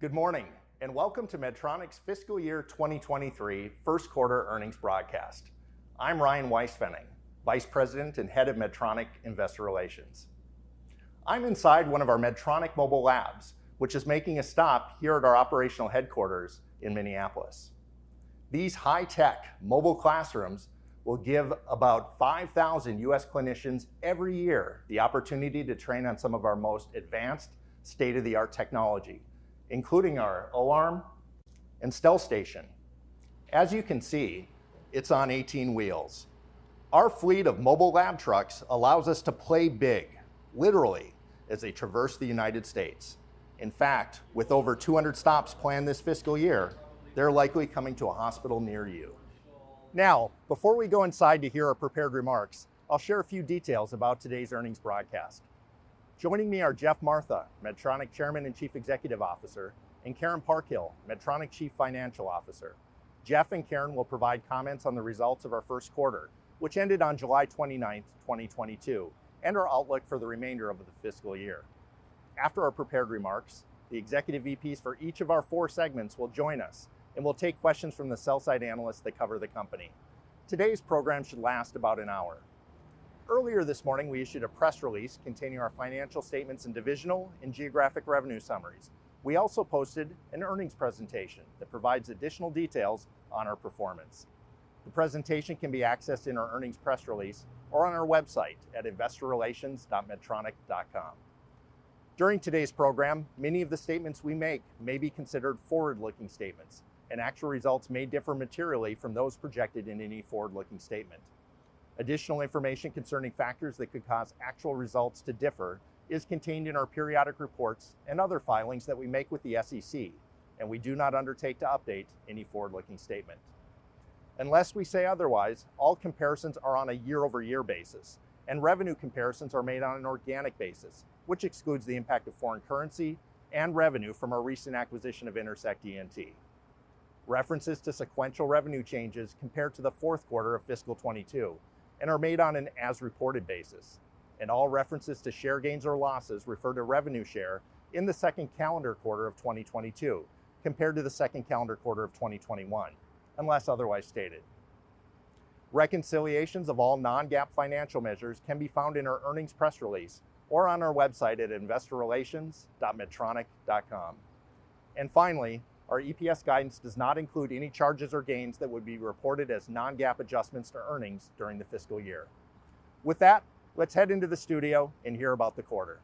Good morning, and welcome to Medtronic's Fiscal Year 2023 Q1 Earnings Broadcast. I'm Ryan Weispfenning, Vice President and Head of Medtronic Investor Relations. I'm inside one of our Medtronic mobile labs, which is making a stop here at our operational headquarters in Minneapolis. These high-tech mobile classrooms will give about 5,000 US clinicians every year the opportunity to train on some of our most advanced state-of-the-art technology, including our O-arm and StealthStation. As you can see, it's on 18 wheels. Our fleet of mobile lab trucks allows us to play big, literally, as they traverse the United States. In fact, with over 200 stops planned this fiscal year, they're likely coming to a hospital near you. Now, before we go inside to hear our prepared remarks, I'll share a few details about today's earnings broadcast. Joining me are Geoff Martha, Medtronic Chairman and Chief Executive Officer, and Karen Parkhill, Medtronic Chief Financial Officer. Geoff and Karen will provide comments on the results of our Q1, which ended on July 29, 2022, and our outlook for the remainder of the fiscal year. After our prepared remarks, the executive VPs for each of our four segments will join us, and we'll take questions from the sell-side analysts that cover the company. Today's program should last about an hour. Earlier this morning, we issued a press release containing our financial statements and divisional and geographic revenue summaries. We also posted an earnings presentation that provides additional details on our performance. The presentation can be accessed in our earnings press release or on our website at investorrelations.medtronic.com. During today's program, many of the statements we make may be considered forward-looking statements, and actual results may differ materially from those projected in any forward-looking statement. Additional information concerning factors that could cause actual results to differ is contained in our periodic reports and other filings that we make with the SEC, and we do not undertake to update any forward-looking statement. Unless we say otherwise, all comparisons are on a year-over-year basis, and revenue comparisons are made on an organic basis, which excludes the impact of foreign currency and revenue from our recent acquisition of Intersect ENT. References to sequential revenue changes compared to the Q4 of fiscal 2022 and are made on an as reported basis. All references to share gains or losses refer to revenue share in the second calendar quarter of 2022 compared to the second calendar quarter of 2021, unless otherwise stated. Reconciliations of all non-GAAP financial measures can be found in our earnings press release or on our website at investorrelations.medtronic.com. Finally, our EPS guidance does not include any charges or gains that would be reported as non-GAAP adjustments to earnings during the fiscal year. With that, let's head into the studio and hear about the quarter.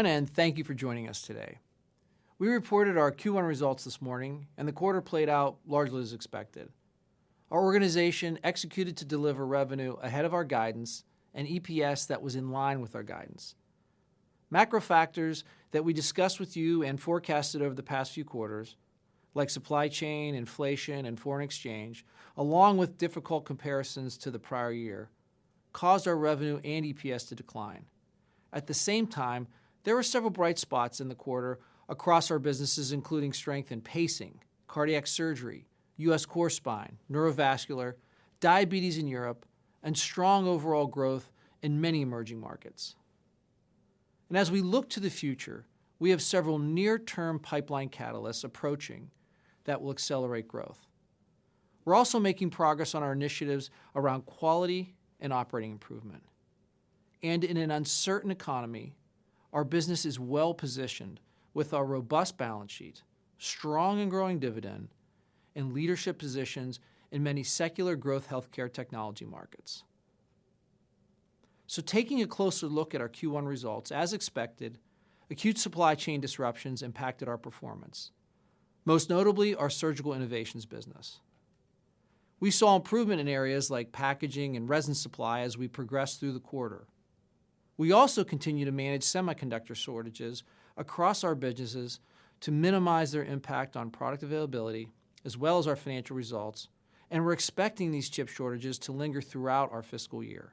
Hello, everyone, and thank you for joining us today. We reported our Q1 results this morning, and the quarter played out largely as expected. Our organization executed to deliver revenue ahead of our guidance and EPS that was in line with our guidance. Macro factors that we discussed with you and forecasted over the past few quarters, like supply chain, inflation, and foreign exchange, along with difficult comparisons to the prior year, caused our revenue and EPS to decline. At the same time, there were several bright spots in the quarter across our businesses, including strength in pacing, cardiac surgery, US core spine, neurovascular, diabetes in Europe, and strong overall growth in many emerging markets. As we look to the future, we have several near-term pipeline catalysts approaching that will accelerate growth. We're also making progress on our initiatives around quality and operating improvement. In an uncertain economy, our business is well-positioned with our robust balance sheet, strong and growing dividend, and leadership positions in many secular growth healthcare technology markets. Taking a closer look at our Q1 results, as expected, acute supply chain disruptions impacted our performance, most notably our Surgical Innovations business. We saw improvement in areas like packaging and resin supply as we progressed through the quarter. We also continue to manage semiconductor shortages across our businesses to minimize their impact on product availability as well as our financial results, and we're expecting these chip shortages to linger throughout our fiscal year.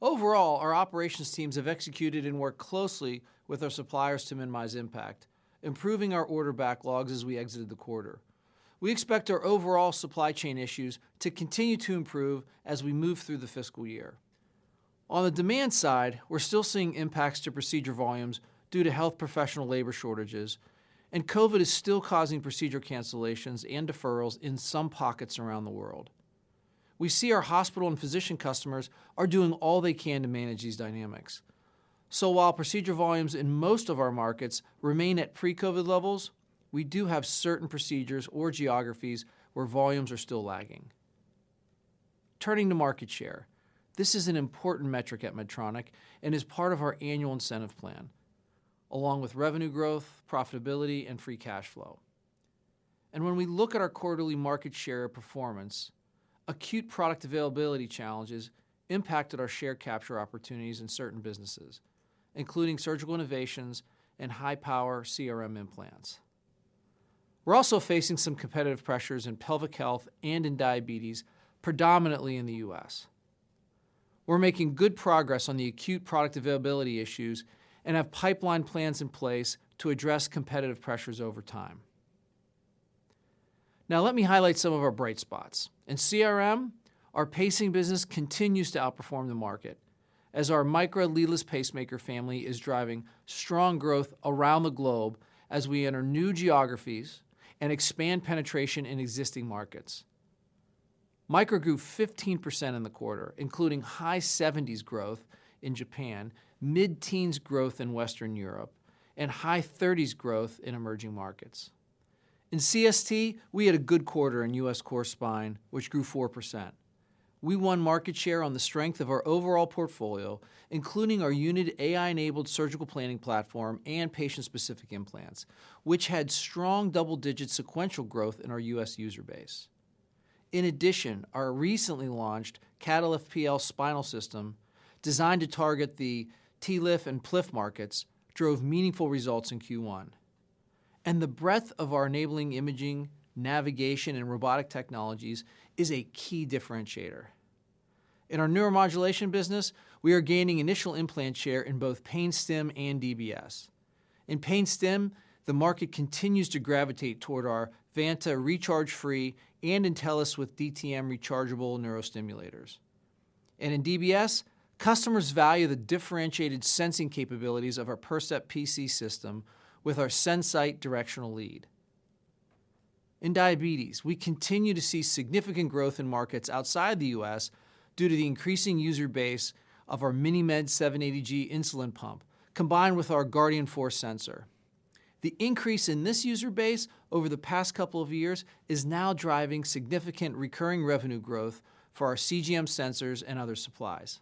Overall, our operations teams have executed and worked closely with our suppliers to minimize impact, improving our order backlogs as we exited the quarter. We expect our overall supply chain issues to continue to improve as we move through the fiscal year. On the demand side, we're still seeing impacts to procedure volumes due to health professional labor shortages, and COVID is still causing procedure cancellations and deferrals in some pockets around the world. We see our hospital and physician customers are doing all they can to manage these dynamics. While procedure volumes in most of our markets remain at pre-COVID levels, we do have certain procedures or geographies where volumes are still lagging. Turning to market share, this is an important metric at Medtronic and is part of our annual incentive plan, along with revenue growth, profitability, and free cash flow. When we look at our quarterly market share performance, acute product availability challenges impacted our share capture opportunities in certain businesses, including Surgical Innovations and high-power CRM implants. We're also facing some competitive pressures in pelvic health and in diabetes, predominantly in the US. We're making good progress on the acute product availability issues and have pipeline plans in place to address competitive pressures over time. Now let me highlight some of our bright spots. In CRM, our pacing business continues to outperform the market as our Micra leadless pacemaker family is driving strong growth around the globe as we enter new geographies and expand penetration in existing markets. Micra grew 15% in the quarter, including high 70s growth in Japan, mid-teens growth in Western Europe, and high 30s growth in emerging markets. In CST, we had a good quarter in US core spine, which grew 4%. We won market share on the strength of our overall portfolio, including our UNiD AI-enabled surgical planning platform and patient-specific implants, which had strong double-digit sequential growth in our US user base. In addition, our recently launched Catalyft PL spinal system, designed to target the TLIF and PLIF markets, drove meaningful results in Q1. The breadth of our enabling imaging, navigation, and robotic technologies is a key differentiator. In our neuromodulation business, we are gaining initial implant share in both pain stim and DBS. In pain stim, the market continues to gravitate toward our Vanta recharge-free and Intellis with DTM rechargeable neurostimulators. In DBS, customers value the differentiated sensing capabilities of our Percept PC system with our SenSight directional lead. In diabetes, we continue to see significant growth in markets outside the US due to the increasing user base of our MiniMed 780G insulin pump, combined with our Guardian 4 sensor. The increase in this user base over the past couple of years is now driving significant recurring revenue growth for our CGM sensors and other supplies.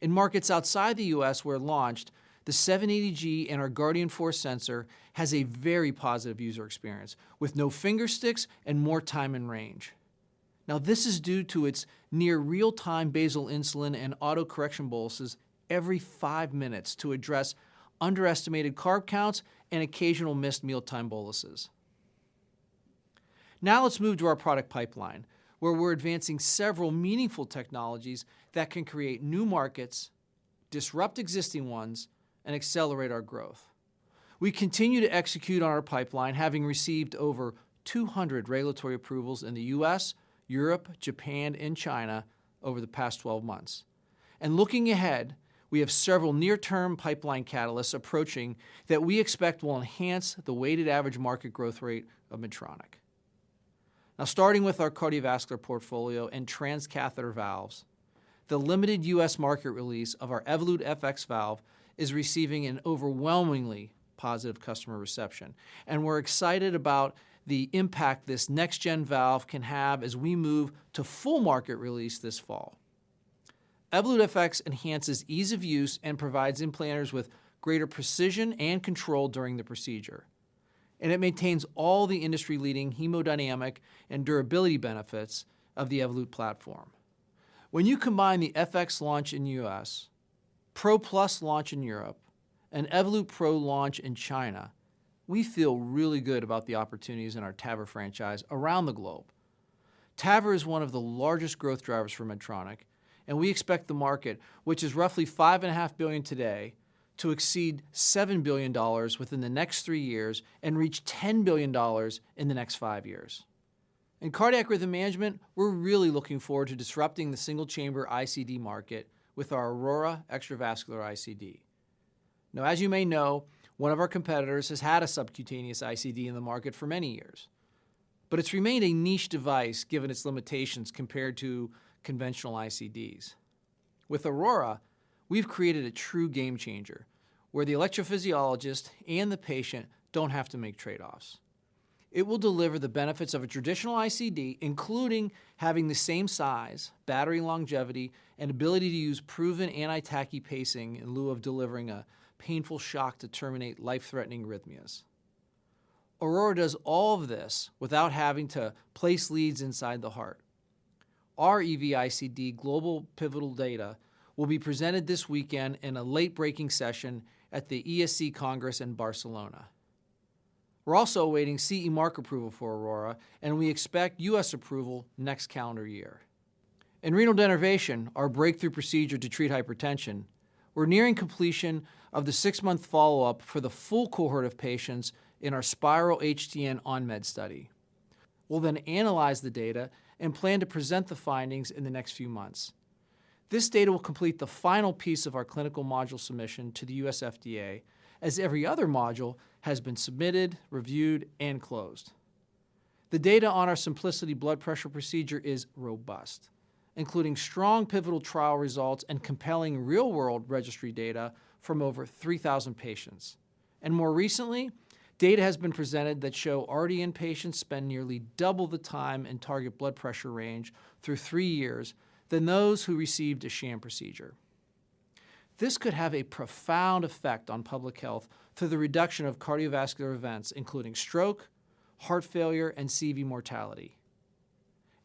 In markets outside the US where launched, the 780G and our Guardian 4 sensor has a very positive user experience with no finger sticks and more time in range. Now, this is due to its near real-time basal insulin and auto correction boluses every five minutes to address underestimated carb counts and occasional missed mealtime boluses. Now let's move to our product pipeline, where we're advancing several meaningful technologies that can create new markets, disrupt existing ones, and accelerate our growth. We continue to execute on our pipeline, having received over 200 regulatory approvals in the US, Europe, Japan, and China over the past 12 months. Looking ahead, we have several near-term pipeline catalysts approaching that we expect will enhance the weighted average market growth rate of Medtronic. Now, starting with our cardiovascular portfolio and transcatheter valves, the limited US market release of our Evolut FX valve is receiving an overwhelmingly positive customer reception, and we're excited about the impact this next gen valve can have as we move to full market release this fall. Evolut FX enhances ease of use and provides implanters with greater precision and control during the procedure, and it maintains all the industry-leading hemodynamic and durability benefits of the Evolut platform. When you combine the FX launch in the US, PRO+ launch in Europe, and Evolut PRO launch in China, we feel really good about the opportunities in our TAVR franchise around the globe. TAVR is one of the largest growth drivers for Medtronic, and we expect the market, which is roughly $5.5 billion today, to exceed $7 billion within the next three years and reach $10 billion in the next five years. In cardiac rhythm management, we're really looking forward to disrupting the single chamber ICD market with our Aurora extravascular ICD. Now, as you may know, one of our competitors has had a subcutaneous ICD in the market for many years, but it's remained a niche device given its limitations compared to conventional ICDs. With Aurora, we've created a true game changer where the electrophysiologist and the patient don't have to make trade-offs. It will deliver the benefits of a traditional ICD, including having the same size, battery longevity, and ability to use proven anti-tachycardia pacing in lieu of delivering a painful shock to terminate life-threatening arrhythmias. Aurora does all of this without having to place leads inside the heart. Our EV-ICD global pivotal data will be presented this weekend in a late-breaking session at the ESC Congress in Barcelona. We're also awaiting CE mark approval for Aurora, and we expect US approval next calendar year. In renal denervation, our breakthrough procedure to treat hypertension, we're nearing completion of the six-month follow-up for the full cohort of patients in our SPYRAL HTN-ON MED study. We'll then analyze the data and plan to present the findings in the next few months. This data will complete the final piece of our clinical module submission to the US FDA, as every other module has been submitted, reviewed, and closed. The data on our Symplicity blood pressure procedure is robust, including strong pivotal trial results and compelling real-world registry data from over 3,000 patients. More recently, data has been presented that show RDN patients spend nearly double the time in target blood pressure range through three years than those who received a sham procedure. This could have a profound effect on public health through the reduction of cardiovascular events, including stroke, heart failure, and CV mortality.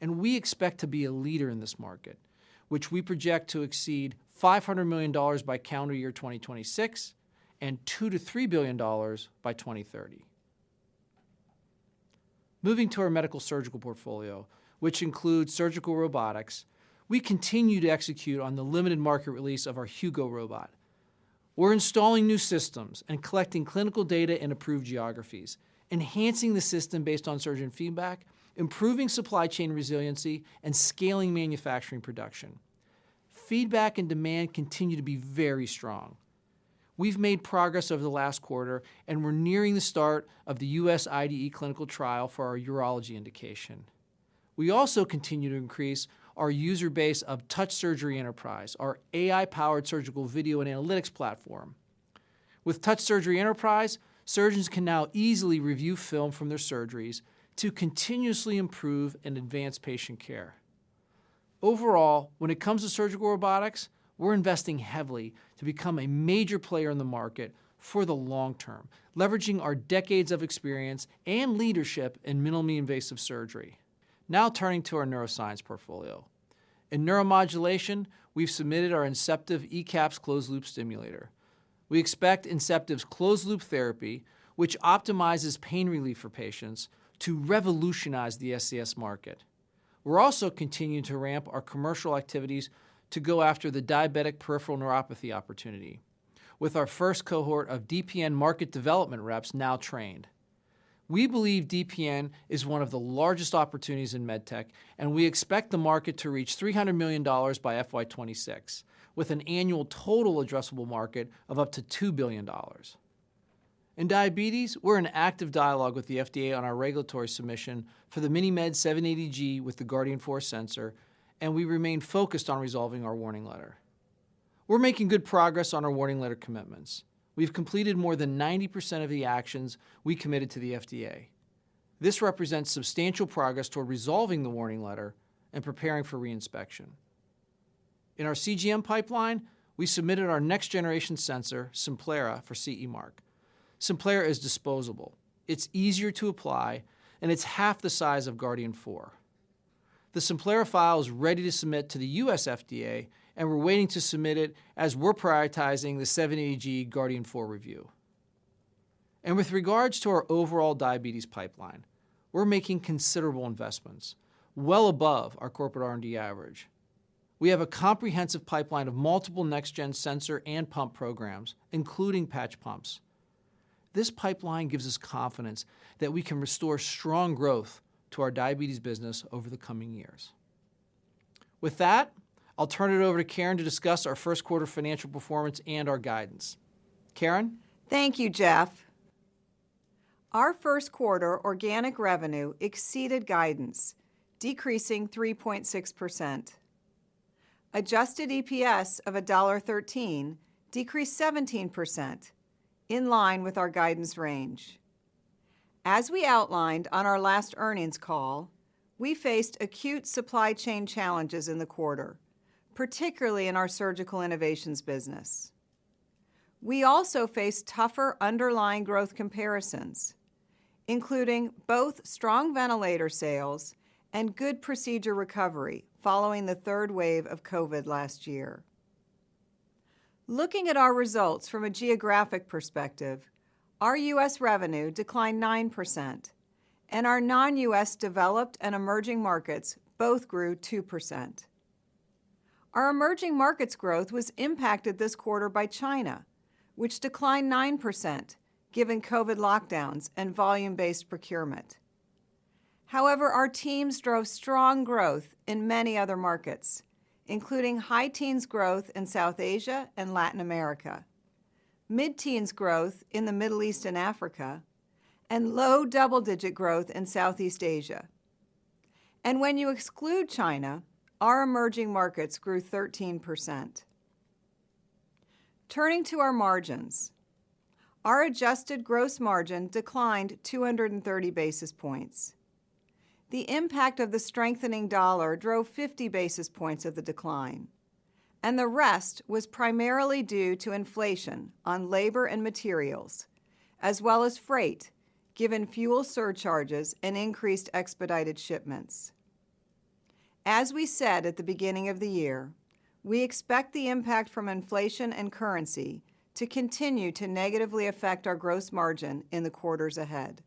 We expect to be a leader in this market, which we project to exceed $500 million by calendar year 2026, and $2-$3 billion by 2030. Moving to our Medical Surgical Portfolio, which includes surgical robotics, we continue to execute on the limited market release of our Hugo robot. We're installing new systems and collecting clinical data in approved geographies, enhancing the system based on surgeon feedback, improving supply chain resiliency, and scaling manufacturing production. Feedback and demand continue to be very strong. We've made progress over the last quarter, and we're nearing the start of the US IDE clinical trial for our urology indication. We also continue to increase our user base of Touch Surgery Enterprise, our AI-powered surgical video and analytics platform. With Touch Surgery Enterprise, surgeons can now easily review film from their surgeries to continuously improve and advance patient care. Overall, when it comes to surgical robotics, we're investing heavily to become a major player in the market for the long term, leveraging our decades of experience and leadership in minimally invasive surgery. Now turning to our neuroscience portfolio. In neuromodulation, we've submitted our Inceptiv ECAPs closed-loop stimulator. We expect Inceptiv's closed-loop therapy, which optimizes pain relief for patients, to revolutionize the SCS market. We're also continuing to ramp our commercial activities to go after the diabetic peripheral neuropathy opportunity with our first cohort of DPN market development reps now trained. We believe DPN is one of the largest opportunities in med tech, and we expect the market to reach $300 million by FY26, with an annual total addressable market of up to $2 billion. In diabetes, we're in active dialogue with the FDA on our regulatory submission for the MiniMed 780G with the Guardian 4 sensor, and we remain focused on resolving our warning letter. We're making good progress on our warning letter commitments. We've completed more than 90% of the actions we committed to the FDA. This represents substantial progress toward resolving the warning letter and preparing for re-inspection. In our CGM pipeline, we submitted our next generation sensor, Simplera, for CE mark. Simplera is disposable. It's easier to apply, and it's half the size of Guardian 4. The Simplera file is ready to submit to the US FDA, and we're waiting to submit it as we're prioritizing the 780G Guardian 4 review. With regards to our overall diabetes pipeline, we're making considerable investments well above our corporate R&D average. We have a comprehensive pipeline of multiple next-gen sensor and pump programs, including patch pumps. This pipeline gives us confidence that we can restore strong growth to our diabetes business over the coming years. With that, I'll turn it over to Karen to discuss our Q1 financial performance and our guidance. Karen? Thank you, Geoff. Our Q1 organic revenue exceeded guidance, decreasing 3.6%. Adjusted EPS of $1.13 decreased 17% in line with our guidance range. As we outlined on our last earnings call, we faced acute supply chain challenges in the quarter, particularly in our Surgical Innovations business. We also faced tougher underlying growth comparisons, including both strong ventilator sales and good procedure recovery following the third wave of COVID last year. Looking at our results from a geographic perspective, our US revenue declined 9%, and our non-US developed and emerging markets both grew 2%. Our emerging markets growth was impacted this quarter by China, which declined 9% given COVID lockdowns and volume-based procurement. However, our teams drove strong growth in many other markets, including high-teens growth in South Asia and Latin America, mid-teens growth in the Middle East and Africa, and low double-digit growth in Southeast Asia. When you exclude China, our emerging markets grew 13%. Turning to our margins, our adjusted gross margin declined 230 basis points. The impact of the strengthening dollar drove 50 basis points of the decline, and the rest was primarily due to inflation on labor and materials as well as freight, given fuel surcharges and increased expedited shipments. As we said at the beginning of the year, we expect the impact from inflation and currency to continue to negatively affect our gross margin in the quarters ahead.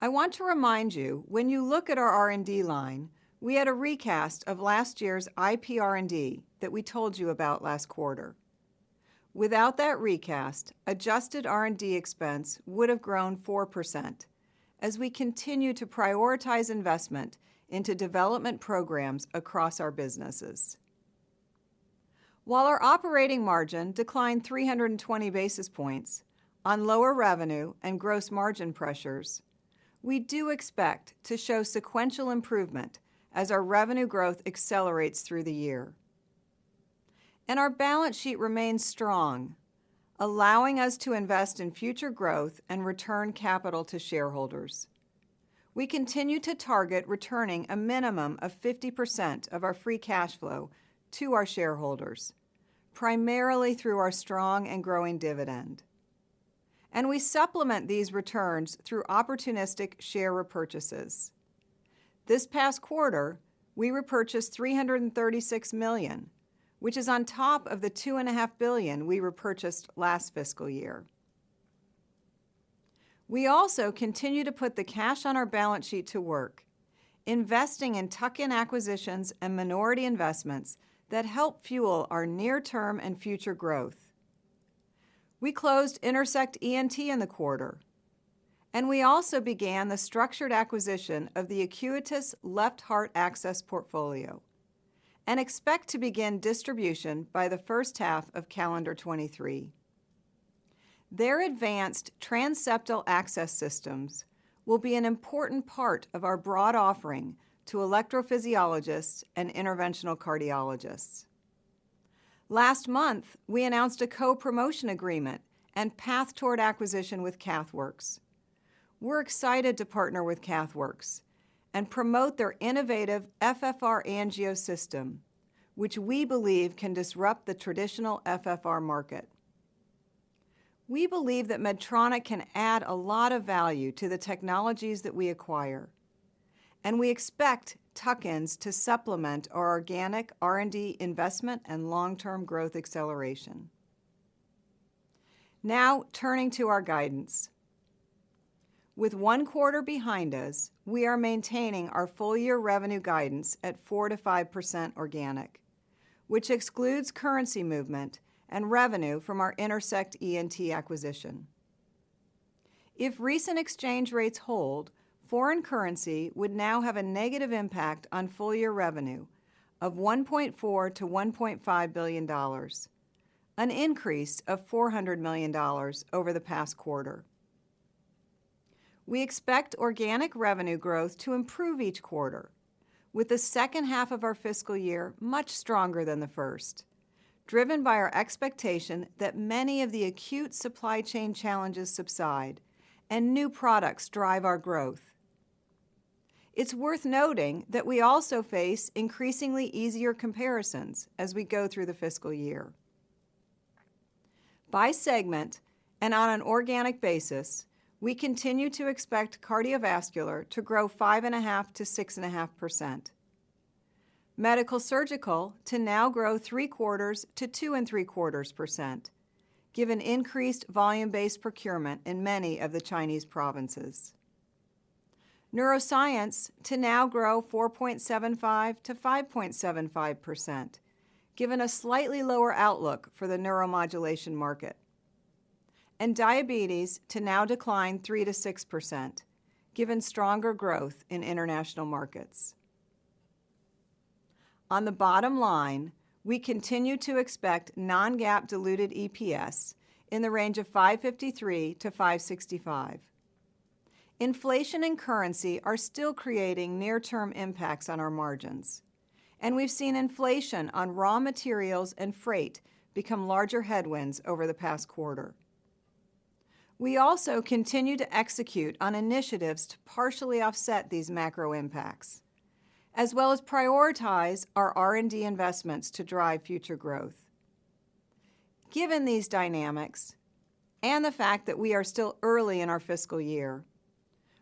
I want to remind you, when you look at our R&D line, we had a recast of last year's IPR&D that we told you about last quarter. Without that recast, adjusted R&D expense would have grown 4% as we continue to prioritize investment into development programs across our businesses. While our operating margin declined 320 basis points on lower revenue and gross margin pressures, we do expect to show sequential improvement as our revenue growth accelerates through the year. Our balance sheet remains strong, allowing us to invest in future growth and return capital to shareholders. We continue to target returning a minimum of 50% of our free cash flow to our shareholders, primarily through our strong and growing dividend. We supplement these returns through opportunistic share repurchases. This past quarter, we repurchased $336 million, which is on top of the $2.5 billion we repurchased last fiscal year. We also continue to put the cash on our balance sheet to work, investing in tuck-in acquisitions and minority investments that help fuel our near-term and future growth. We closed Intersect ENT in the quarter, and we also began the structured acquisition of the Acutus left-heart access portfolio and expect to begin distribution by the first half of calendar 2023. Their advanced transseptal access systems will be an important part of our broad offering to electrophysiologists and interventional cardiologists. Last month, we announced a co-promotion agreement and path toward acquisition with CathWorks. We're excited to partner with CathWorks and promote their innovative FFRangio system, which we believe can disrupt the traditional FFR market. We believe that Medtronic can add a lot of value to the technologies that we acquire, and we expect tuck-ins to supplement our organic R&D investment and long-term growth acceleration. Now, turning to our guidance. With one quarter behind us, we are maintaining our full year revenue guidance at 4%-5% organic, which excludes currency movement and revenue from our Intersect ENT acquisition. If recent exchange rates hold, foreign currency would now have a negative impact on full year revenue of $1.4 billion-$1.5 billion, an increase of $400 million over the past quarter. We expect organic revenue growth to improve each quarter with the second half of our fiscal year much stronger than the first, driven by our expectation that many of the acute supply chain challenges subside and new products drive our growth. It's worth noting that we also face increasingly easier comparisons as we go through the fiscal year. By segment, and on an organic basis, we continue to expect Cardiovascular to grow 5.5%-6.5%. Medical-Surgical to now grow 0.75%-2.75% given increased volume-based procurement in many of the Chinese provinces. Neuroscience to now grow 4.75%-5.75% given a slightly lower outlook for the neuromodulation market. Diabetes to now decline 3%-6% fine given stronger growth in international markets. On the bottom line, we continue to expect non-GAAP diluted EPS in the range of $5.53-$5.65. Inflation and currency are still creating near-term impacts on our margins, and we've seen inflation on raw materials and freight become larger headwinds over the past quarter. We also continue to execute on initiatives to partially offset these macro impacts, as well as prioritize our R&D investments to drive future growth. Given these dynamics, and the fact that we are still early in our fiscal year,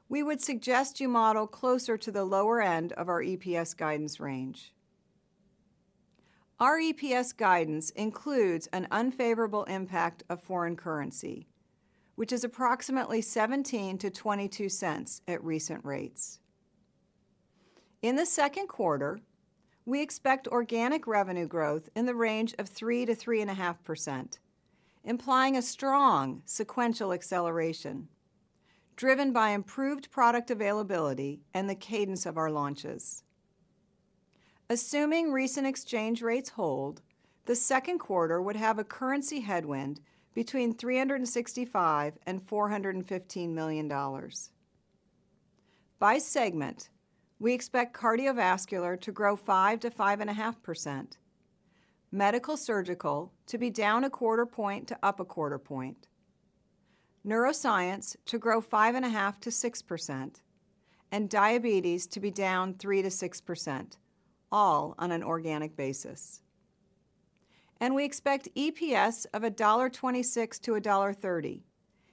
we would suggest you model closer to the lower end of our EPS guidance range. Our EPS guidance includes an unfavorable impact of foreign currency, which is approximately $0.17-$0.22 at recent rates. In the Q2, we expect organic revenue growth in the range of 3%-3.5%, implying a strong sequential acceleration driven by improved product availability and the cadence of our launches. Assuming recent exchange rates hold, the Q2 would have a currency headwind between $365 million and $415 million. By segment, we expect cardiovascular to grow 5%-5.5%. Medical Surgical to be down a quarter point to up a quarter point. Neuroscience to grow 5.5%-6%, and diabetes to be down 3%-6%, all on an organic basis. We expect EPS of $1.26-$1.30,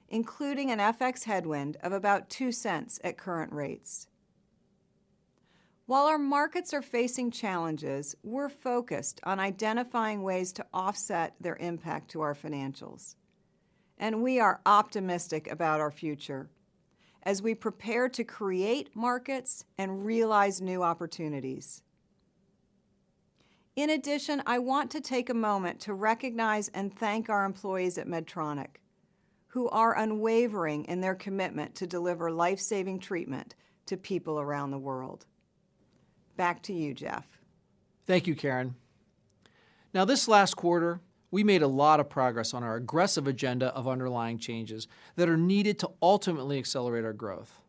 including an FX headwind of about $0.02 at current rates. While our markets are facing challenges, we're focused on identifying ways to offset their impact to our financials, and we are optimistic about our future as we prepare to create markets and realize new opportunities. In addition, I want to take a moment to recognize and thank our employees at Medtronic who are unwavering in their commitment to deliver life-saving treatment to people around the world. Back to you, Geoff. Thank you, Karen. Now, this last quarter, we made a lot of progress on our aggressive agenda of underlying changes that are needed to ultimately accelerate our growth.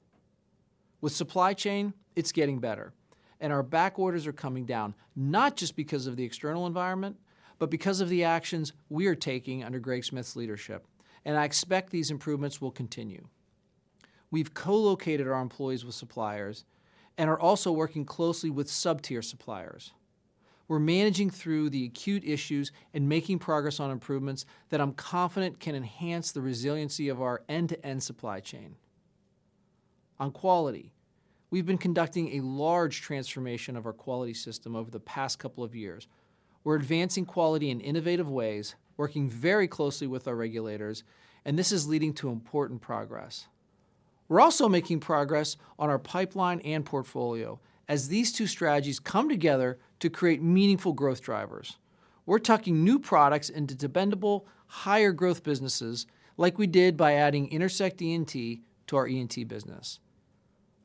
With supply chain, it's getting better, and our back orders are coming down, not just because of the external environment, but because of the actions we are taking under Greg Smith's leadership. I expect these improvements will continue. We've co-located our employees with suppliers and are also working closely with sub-tier suppliers. We're managing through the acute issues and making progress on improvements that I'm confident can enhance the resiliency of our end-to-end supply chain. On quality, we've been conducting a large transformation of our quality system over the past couple of years. We're advancing quality in innovative ways, working very closely with our regulators, and this is leading to important progress. We're also making progress on our pipeline and portfolio as these two strategies come together to create meaningful growth drivers. We're tucking new products into dependable, higher growth businesses like we did by adding Intersect ENT to our ENT business.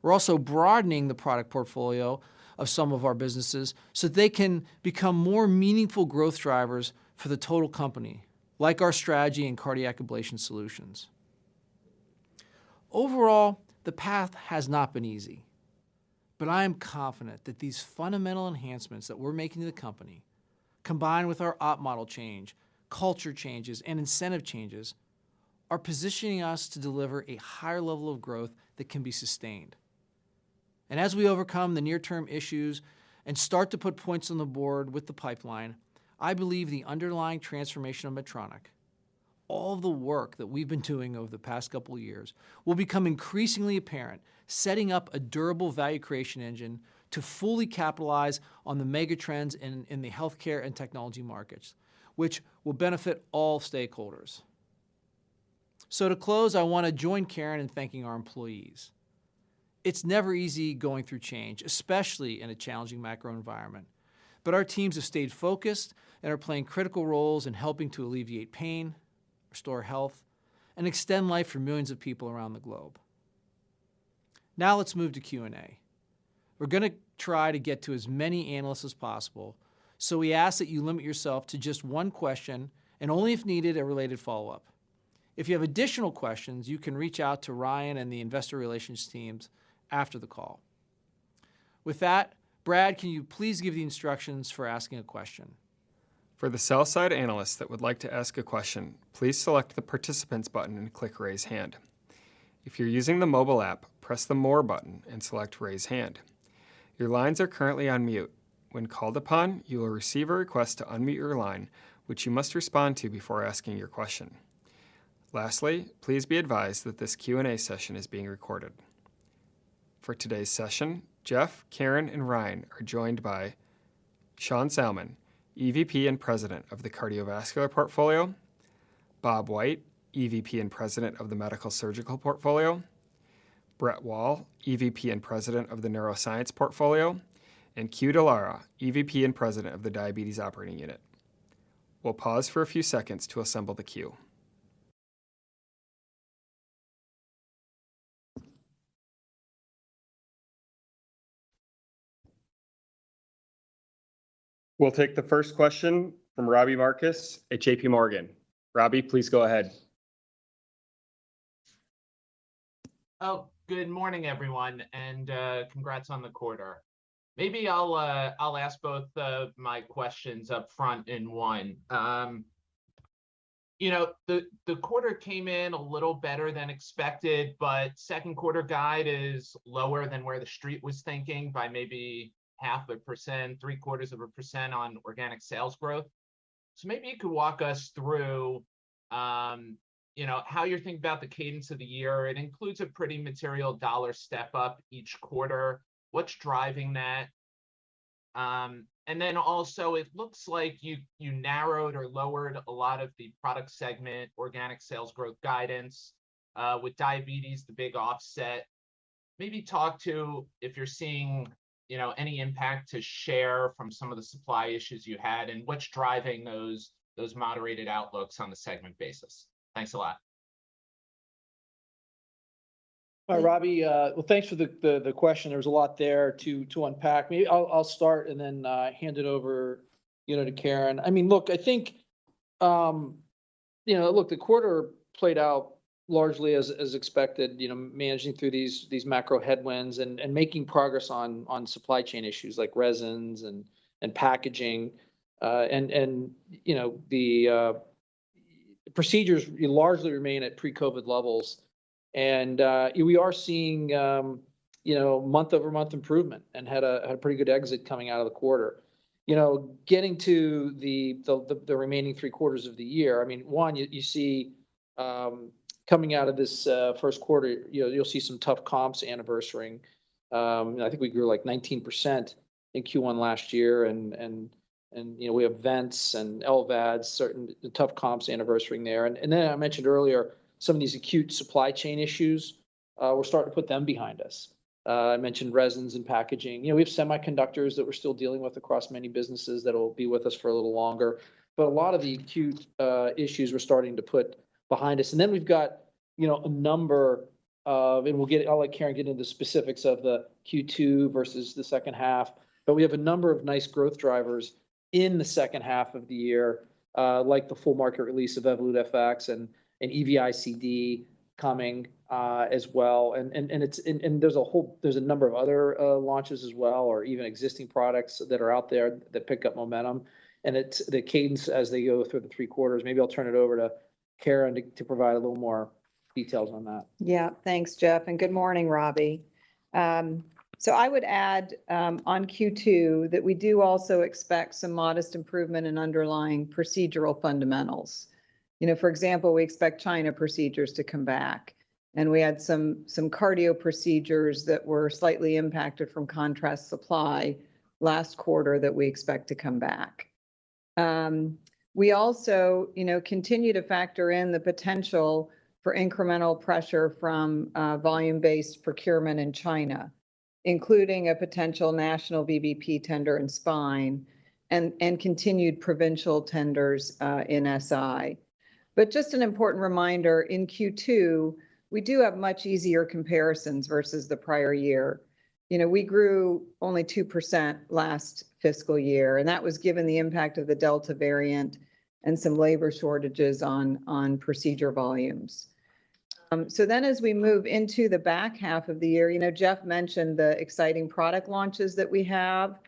We're also broadening the product portfolio of some of our businesses so they can become more meaningful growth drivers for the total company, like our strategy in cardiac ablation solutions. Overall, the path has not been easy, but I am confident that these fundamental enhancements that we're making to the company, combined with our op model change, culture changes, and incentive changes, are positioning us to deliver a higher level of growth that can be sustained. As we overcome the near-term issues and start to put points on the board with the pipeline, I believe the underlying transformation of Medtronic, all the work that we've been doing over the past couple of years, will become increasingly apparent, setting up a durable value creation engine to fully capitalize on the mega trends in the healthcare and technology markets, which will benefit all stakeholders. To close, I want to join Karen in thanking our employees. It's never easy going through change, especially in a challenging macro environment. Our teams have stayed focused and are playing critical roles in helping to alleviate pain, restore health, and extend life for millions of people around the globe. Now let's move to Q&A. We're going to try to get to as many analysts as possible, so we ask that you limit yourself to just one question and only if needed, a related follow-up. If you have additional questions, you can reach out to Ryan and the investor relations teams after the call. With that, Brad, can you please give the instructions for asking a question? For the sell-side analysts that would like to ask a question, please select the Participants button and click Raise Hand. If you're using the mobile app, press the More button and select Raise Hand. Your lines are currently on mute. When called upon, you will receive a request to unmute your line, which you must respond to before asking your question. Lastly, please be advised that this Q&A session is being recorded. For today's session, Geoff, Karen, and Ryan are joined by Sean Salmon, EVP and President of the Cardiovascular Portfolio, Bob White, EVP and President of the Medical Surgical Portfolio, Brett Wall, EVP and President of the Neuroscience Portfolio, and Que Dallara, EVP and President of the Diabetes Operating Unit. We'll pause for a few seconds to assemble the queue. We'll take the first question from Robbie Marcus at J.P. Morgan. Robbie, please go ahead. Oh, good morning, everyone, and congrats on the quarter. Maybe I'll ask both of my questions up front in one. You know, the quarter came in a little better than expected, but Q2 guide is lower than where the street was thinking by maybe half a percent, three-quarters of a percent on organic sales growth. Maybe you could walk us through, you know, how you're thinking about the cadence of the year. It includes a pretty material dollar step up each quarter. What's driving that? And then also it looks like you narrowed or lowered a lot of the product segment organic sales growth guidance, with diabetes the big offset. Maybe talk through if you're seeing, you know, any impact to share from some of the supply issues you had and what's driving those moderated outlooks on a segment basis. Thanks a lot. Hi, Robbie. Well, thanks for the question. There's a lot there to unpack. Maybe I'll start and then hand it over, you know, to Karen. I mean, look, I think, you know, look, the quarter played out largely as expected, you know, managing through these macro headwinds and making progress on supply chain issues like resins and packaging. You know, the procedures largely remain at pre-COVID levels. We are seeing, you know, month-over-month improvement and had a pretty good exit coming out of the quarter. You know, getting to the remaining three-quarters of the year, I mean, one, you see coming out of this Q1, you know, you'll see some tough comps anniversarying. I think we grew like 19% in Q1 last year and, you know, we have vents and LVADs, certain tough comps anniversarying there. I mentioned earlier some of these acute supply chain issues. We're starting to put them behind us. I mentioned resins and packaging. You know, we have semiconductors that we're still dealing with across many businesses that'll be with us for a little longer. A lot of the acute issues we're starting to put behind us. Then we've got, you know, a number of, I'll let Karen get into specifics of the Q2 versus the second half. We have a number of nice growth drivers in the second half of the year, like the full market release of Evolut FX and EV-ICD coming as well. There's a number of other launches as well, or even existing products that are out there that pick up momentum. It's the cadence as they go through the three quarters. Maybe I'll turn it over to Karen to provide a little more details on that. Yeah. Thanks, Jeff, and good morning, Robbie. I would add on Q2 that we do also expect some modest improvement in underlying procedural fundamentals. You know, for example, we expect China procedures to come back. We had some cardio procedures that were slightly impacted from contrast supply last quarter that we expect to come back. We also, you know, continue to factor in the potential for incremental pressure from volume-based procurement in China, including a potential national VBP tender in spine and continued provincial tenders in SI. Just an important reminder, in Q2, we do have much easier comparisons versus the prior year. You know, we grew only 2% last fiscal year, and that was given the impact of the Delta variant and some labor shortages on procedure volumes. As we move into the back half of the year, you know, Geoff mentioned the exciting product launches that we have,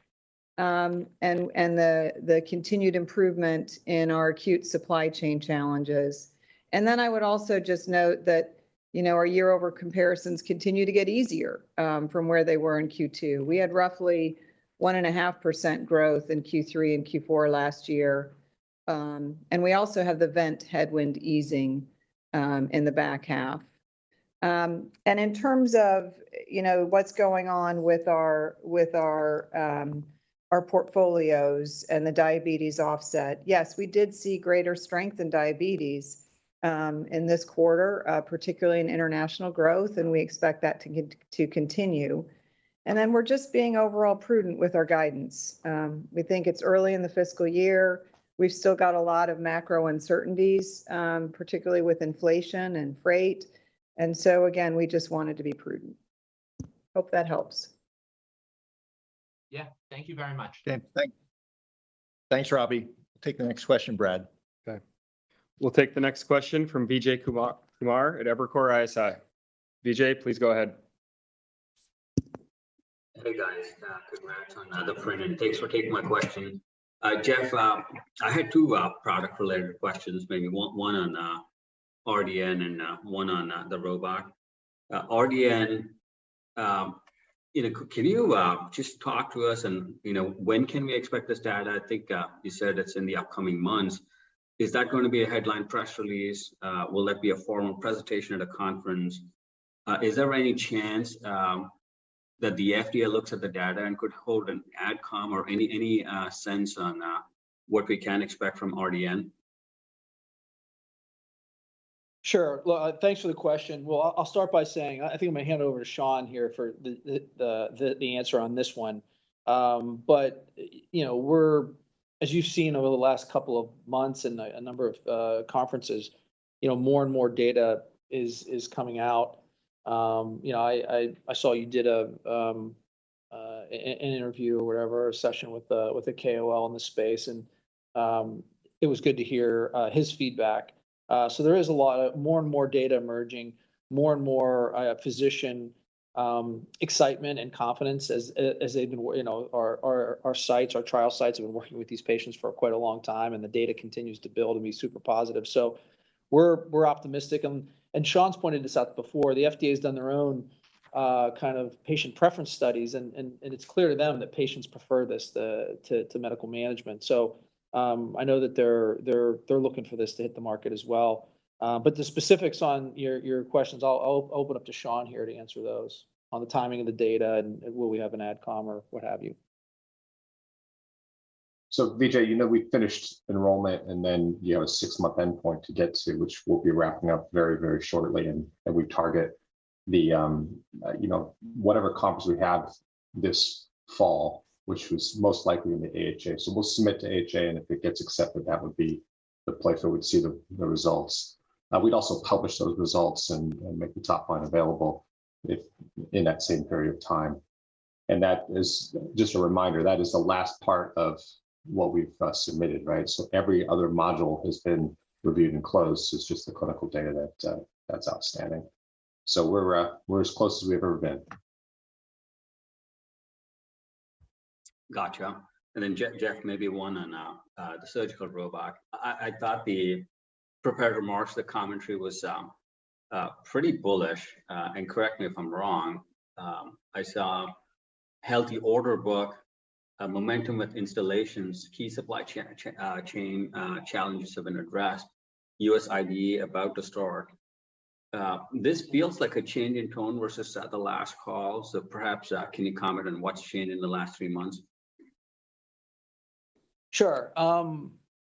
and the continued improvement in our acute supply chain challenges. I would also just note that, you know, our year-over-year comparisons continue to get easier from where they were in Q2. We had roughly 1.5% growth in Q3 and Q4 last year. We also have the vent headwind easing in the back half. In terms of, you know, what's going on with our portfolios and the diabetes offset, yes, we did see greater strength in diabetes in this quarter, particularly in international growth, and we expect that to continue. We're just being overall prudent with our guidance. We think it's early in the fiscal year. We've still got a lot of macro uncertainties, particularly with inflation and freight. Again, we just wanted to be prudent. Hope that helps. Yeah. Thank you very much. Yeah. Thanks, Robbie. Take the next question, Brad. Okay. We'll take the next question from Vijay Kumar at Evercore ISI. Vijay, please go ahead. Hey, guys. Congrats on the print, and thanks for taking my question. Geoff, I had two product-related questions, maybe one on RDN and one on the robot. RDN, you know, can you just talk to us and, you know, when can we expect this data? I think you said it's in the upcoming months. Is that gonna be a headline press release? Will there be a formal presentation at a conference? Is there any chance that the FDA looks at the data and could hold an AdCom or any sense on what we can expect from RDN? Sure. Well, thanks for the question. Well, I'll start by saying I think I'm gonna hand it over to Sean here for the answer on this one. You know, we're, as you've seen over the last couple of months and a number of conferences, you know, more and more data is coming out. You know, I saw you did an interview or whatever, a session with a KOL in the space and it was good to hear his feedback. There is a lot more and more data emerging, more and more physician excitement and confidence as they've been, you know, our sites, our trial sites have been working with these patients for quite a long time and the data continues to build and be super positive. We're optimistic and Sean's pointed this out before. The FDA's done their own kind of patient preference studies and it's clear to them that patients prefer this to medical management. I know that they're looking for this to hit the market as well. But the specifics on your questions, I'll open up to Sean here to answer those on the timing of the data and will we have an AdCom or what have you. Vijay, you know, we finished enrollment and then you have a six-month endpoint to get to, which we'll be wrapping up very, very shortly. We target the whatever conference we have this fall, which was most likely in the AHA. We'll submit to AHA, and if it gets accepted, that would be the place where we'd see the results. We'd also publish those results and make the top line available if in that same period of time. That is just a reminder, that is the last part of what we've submitted, right? Every other module has been reviewed and closed. It's just the clinical data that's outstanding. We're as close as we've ever been. Gotcha. Jeff, maybe one on the surgical robot. I thought the prepared remarks, the commentary was pretty bullish. Correct me if I'm wrong, I saw healthy order book, momentum with installations, key supply chain challenges have been addressed, US IDE about to start. This feels like a change in tone versus the last call. Perhaps, can you comment on what's changed in the last three months? Sure. I'll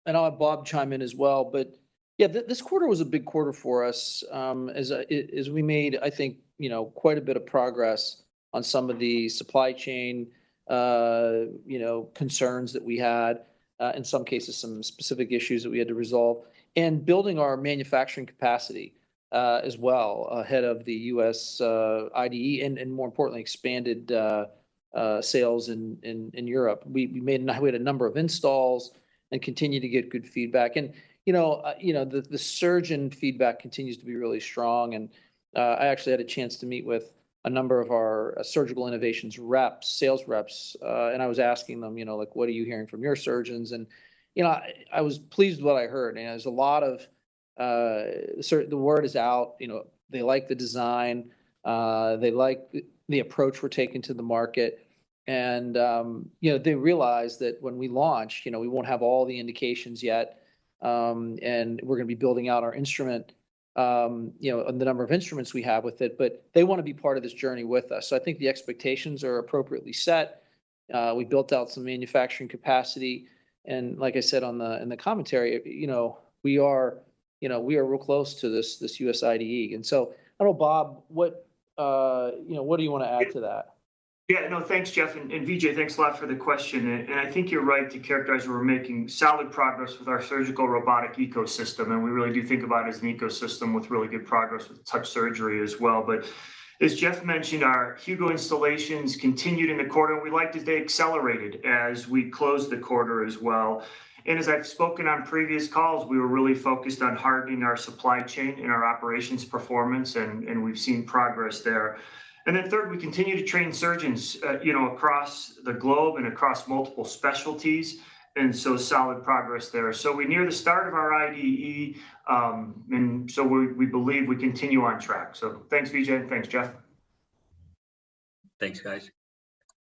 have Bob chime in as well. Yeah, this quarter was a big quarter for us, as we made, I think, you know, quite a bit of progress on some of the supply chain, you know, concerns that we had, in some cases, some specific issues that we had to resolve. Building our manufacturing capacity as well ahead of the US IDE and, more importantly, expanded sales in Europe. We had a number of installs and continue to get good feedback. You know, the surgeon feedback continues to be really strong. I actually had a chance to meet with a number of our Surgical Innovations reps, sales reps. I was asking them, you know, like, "What are you hearing from your surgeons?" You know, I was pleased with what I heard, and there's a lot of certainty. The word is out, you know, they like the design. They like the approach we're taking to the market. You know, they realize that when we launch, you know, we won't have all the indications yet, and we're gonna be building out our instrument, you know, and the number of instruments we have with it, but they wanna be part of this journey with us. I think the expectations are appropriately set. We built out some manufacturing capacity, and like I said in the commentary, you know, we are real close to this US IDE. I don't know, Bob, you know, what do you wanna add to that? Yeah, no, thanks, Jeff, and Vijay, thanks a lot for the question. I think you're right to characterize we're making solid progress with our surgical robotic ecosystem, and we really do think about it as an ecosystem with really good progress with Touch Surgery as well. As Jeff mentioned, our Hugo installations continued in the quarter, and we like to say accelerated as we closed the quarter as well. As I've spoken on previous calls, we were really focused on hardening our supply chain and our operations performance, and we've seen progress there. Then third, we continue to train surgeons across the globe and across multiple specialties, and solid progress there. We're near the start of our IDE, and we believe we continue on track. Thanks, Vijay, and thanks, Jeff. Thanks, guys.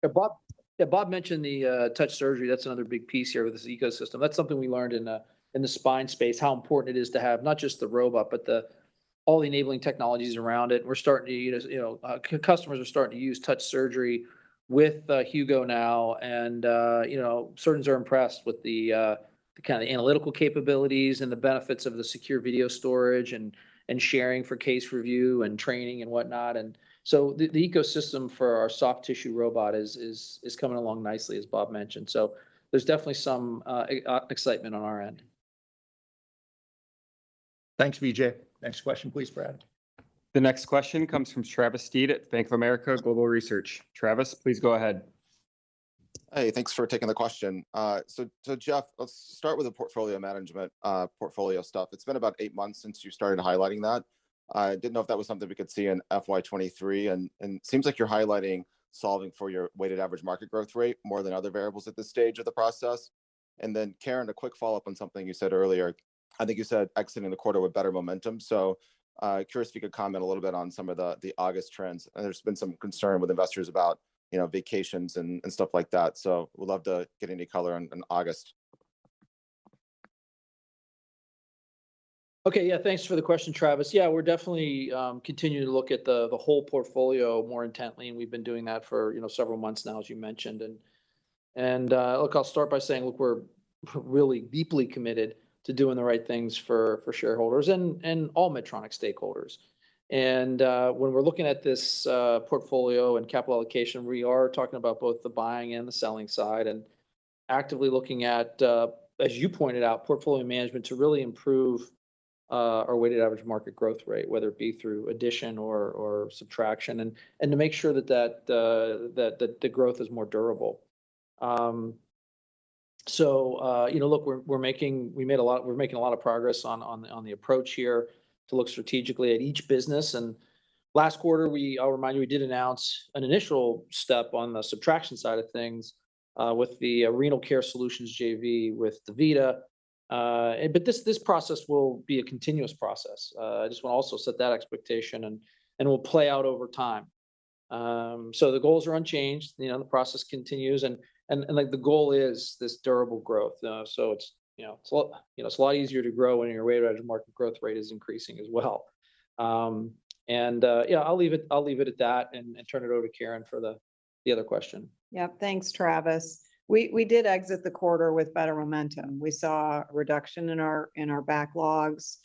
Yeah, Bob mentioned the Touch Surgery. That's another big piece here with this ecosystem. That's something we learned in the spine space, how important it is to have not just the robot, but all the enabling technologies around it. We're starting to use, you know, customers are starting to use Touch Surgery with Hugo now. You know, surgeons are impressed with the kind of analytical capabilities and the benefits of the secure video storage and sharing for case review and training and whatnot. The ecosystem for our soft tissue robot is coming along nicely, as Bob mentioned. There's definitely some excitement on our end. Thanks, Vijay. Next question, please, Brad. The next question comes from Travis Steed at BofA Global Research. Travis, please go ahead. Hey, thanks for taking the question. So, Geoff, let's start with the portfolio management, portfolio stuff. It's been about eight months since you started highlighting that. Didn't know if that was something we could see in FY 2023 and seems like you're highlighting solving for your weighted average market growth rate more than other variables at this stage of the process. Then, Karen, a quick follow-up on something you said earlier. I think you said exiting the quarter with better momentum. Curious if you could comment a little bit on some of the August trends. There's been some concern with investors about, you know, vacations and stuff like that. Would love to get any color on August. Okay. Yeah, thanks for the question, Travis. Yeah, we're definitely continuing to look at the whole portfolio more intently, and we've been doing that for, you know, several months now, as you mentioned. Look, I'll start by saying, look, we're really deeply committed to doing the right things for shareholders and all Medtronic stakeholders. When we're looking at this portfolio and capital allocation, we are talking about both the buying and the selling side and actively looking at, as you pointed out, portfolio management to really improve our weighted average market growth rate, whether it be through addition or subtraction and to make sure that the growth is more durable. You know, look, we're making. We're making a lot of progress on the approach here to look strategically at each business. Last quarter, I'll remind you, we did announce an initial step on the subtraction side of things with the Renal Care Solutions JV with DaVita. But this process will be a continuous process. I just wanna also set that expectation and will play out over time. The goals are unchanged. You know, the process continues and like the goal is this durable growth. You know, it's a lot easier to grow when your weighted average market growth rate is increasing as well. Yeah, I'll leave it at that and turn it over to Karen for the other question. Yeah. Thanks, Travis. We did exit the quarter with better momentum. We saw a reduction in our backlogs.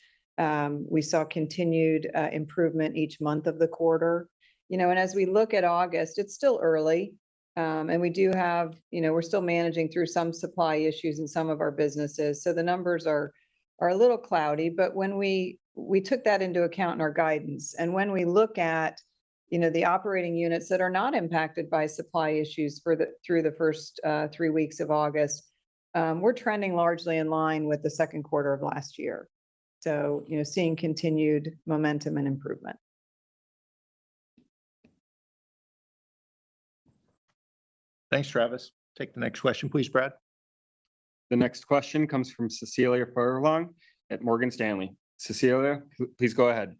We saw continued improvement each month of the quarter. You know, as we look at August, it's still early. We do have, you know, we're still managing through some supply issues in some of our businesses. The numbers are a little cloudy. When we took that into account in our guidance, and when we look at, you know, the operating units that are not impacted by supply issues through the first three weeks of August, we're trending largely in line with the Q2 of last year. You know, seeing continued momentum and improvement. Thanks, Travis. Take the next question, please, Brad. The next question comes from Cecilia Furlong at Morgan Stanley. Cecilia, please go ahead.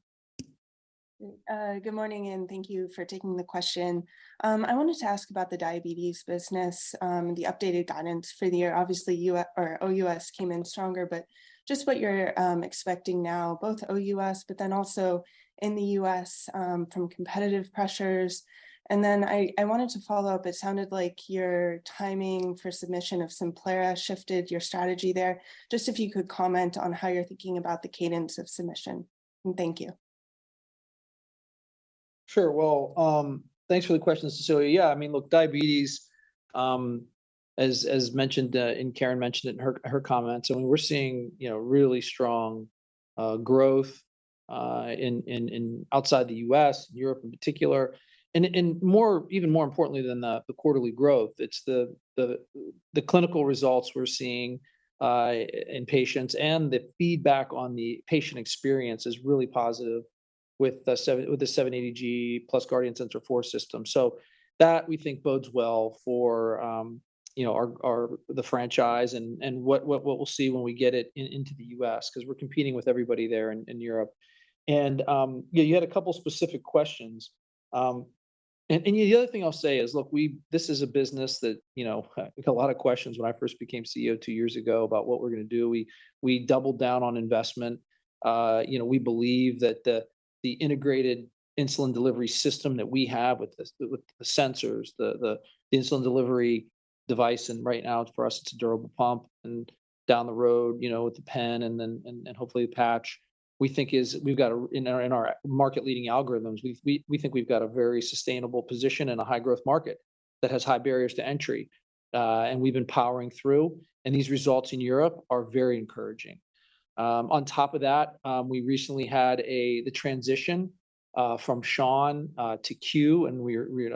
Good morning, and thank you for taking the question. I wanted to ask about the diabetes business, the updated guidance for the year. Obviously, US or OUS came in stronger, but just what you're expecting now, both OUS, but then also in the US, from competitive pressures. Then I wanted to follow up. It sounded like your timing for submission of Simplera shifted your strategy there. Just if you could comment on how you're thinking about the cadence of submission. Thank you. Sure. Well, thanks for the question, Cecilia. Yeah, I mean, look, diabetes, as mentioned, and Karen mentioned it in her comments, I mean, we're seeing, you know, really strong growth in outside the US, in Europe in particular. And more, even more importantly than the quarterly growth, it's the clinical results we're seeing in patients, and the feedback on the patient experience is really positive with the 780G plus Guardian Sensor 4 system. So that, we think, bodes well for, you know, our the franchise and what we'll see when we get it into the US, 'cause we're competing with everybody there in Europe. Yeah, you had a couple specific questions. The other thing I'll say is, look, we... This is a business that, you know, there were a lot of questions when I first became CEO two years ago about what we're gonna do. We doubled down on investment. You know, we believe that the integrated insulin delivery system that we have with the sensors, the insulin delivery device, and right now for us it's a durable pump, and down the road with the pen and then hopefully the patch. We think we've got a, in our market leading algorithms, we think we've got a very sustainable position in a high growth market that has high barriers to entry. We've been powering through, and these results in Europe are very encouraging. On top of that, we recently had the transition from Sean to Que, and you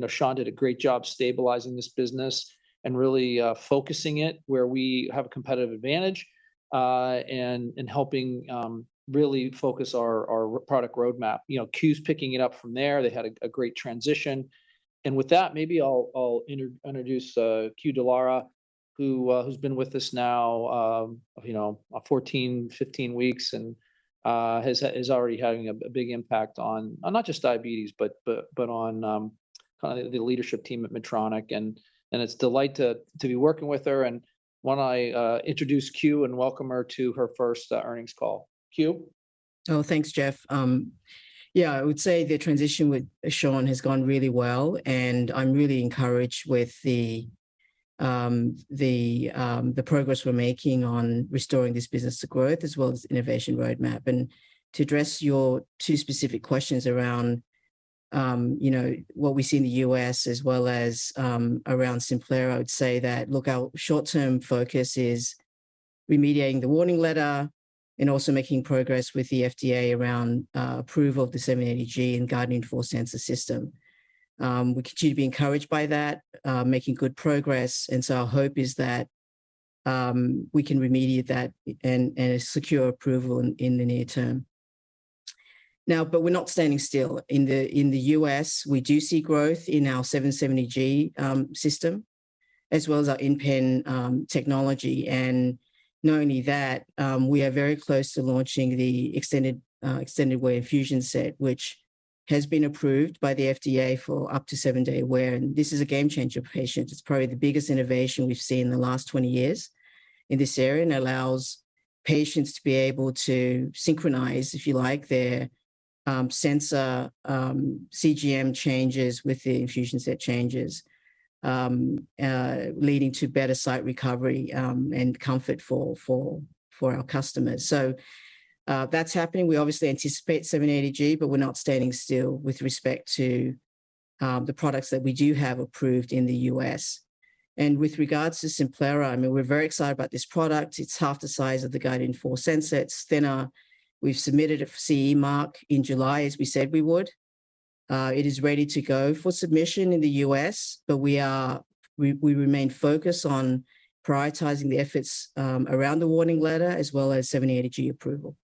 know Sean did a great job stabilizing this business and really focusing it where we have a competitive advantage, and helping really focus our product roadmap. You know, Que's picking it up from there. They had a great transition. With that, maybe I'll introduce Que Dallara, who's been with us now, you know, 14, 15 weeks and is already having a big impact on not just diabetes, but on kind of the leadership team at Medtronic. It's a delight to be working with her. Why don't I introduce Que and welcome her to her first earnings call. Que? Thanks, Geoff. Yeah, I would say the transition with Sean has gone really well, and I'm really encouraged with the progress we're making on restoring this business to growth as well as innovation roadmap. To address your two specific questions around, you know, what we see in the US as well as around Simplera, I would say that, look, our short-term focus is remediating the warning letter and also making progress with the FDA around approval of the 780G and Guardian 4 sensor system. We continue to be encouraged by that, making good progress. Our hope is that we can remediate that and secure approval in the near term. But we're not standing still. In the US, we do see growth in our 770G system, as well as our InPen technology. Not only that, we are very close to launching the extended wear infusion set, which has been approved by the FDA for up to 7-day wear, and this is a game changer for patients. It's probably the biggest innovation we've seen in the last 20 years in this area, and allows patients to be able to synchronize, if you like, their sensor CGM changes with the infusion set changes, leading to better site recovery, and comfort for our customers. That's happening. We obviously anticipate 780G, but we're not standing still with respect to the products that we do have approved in the US With regards to Simplera, I mean, we're very excited about this product. It's half the size of the Guardian 4 sensor. It's thinner. We've submitted a CE mark in July, as we said we would. It is ready to go for submission in the US, but we remain focused on prioritizing the efforts around the warning letter as well as 780G approval.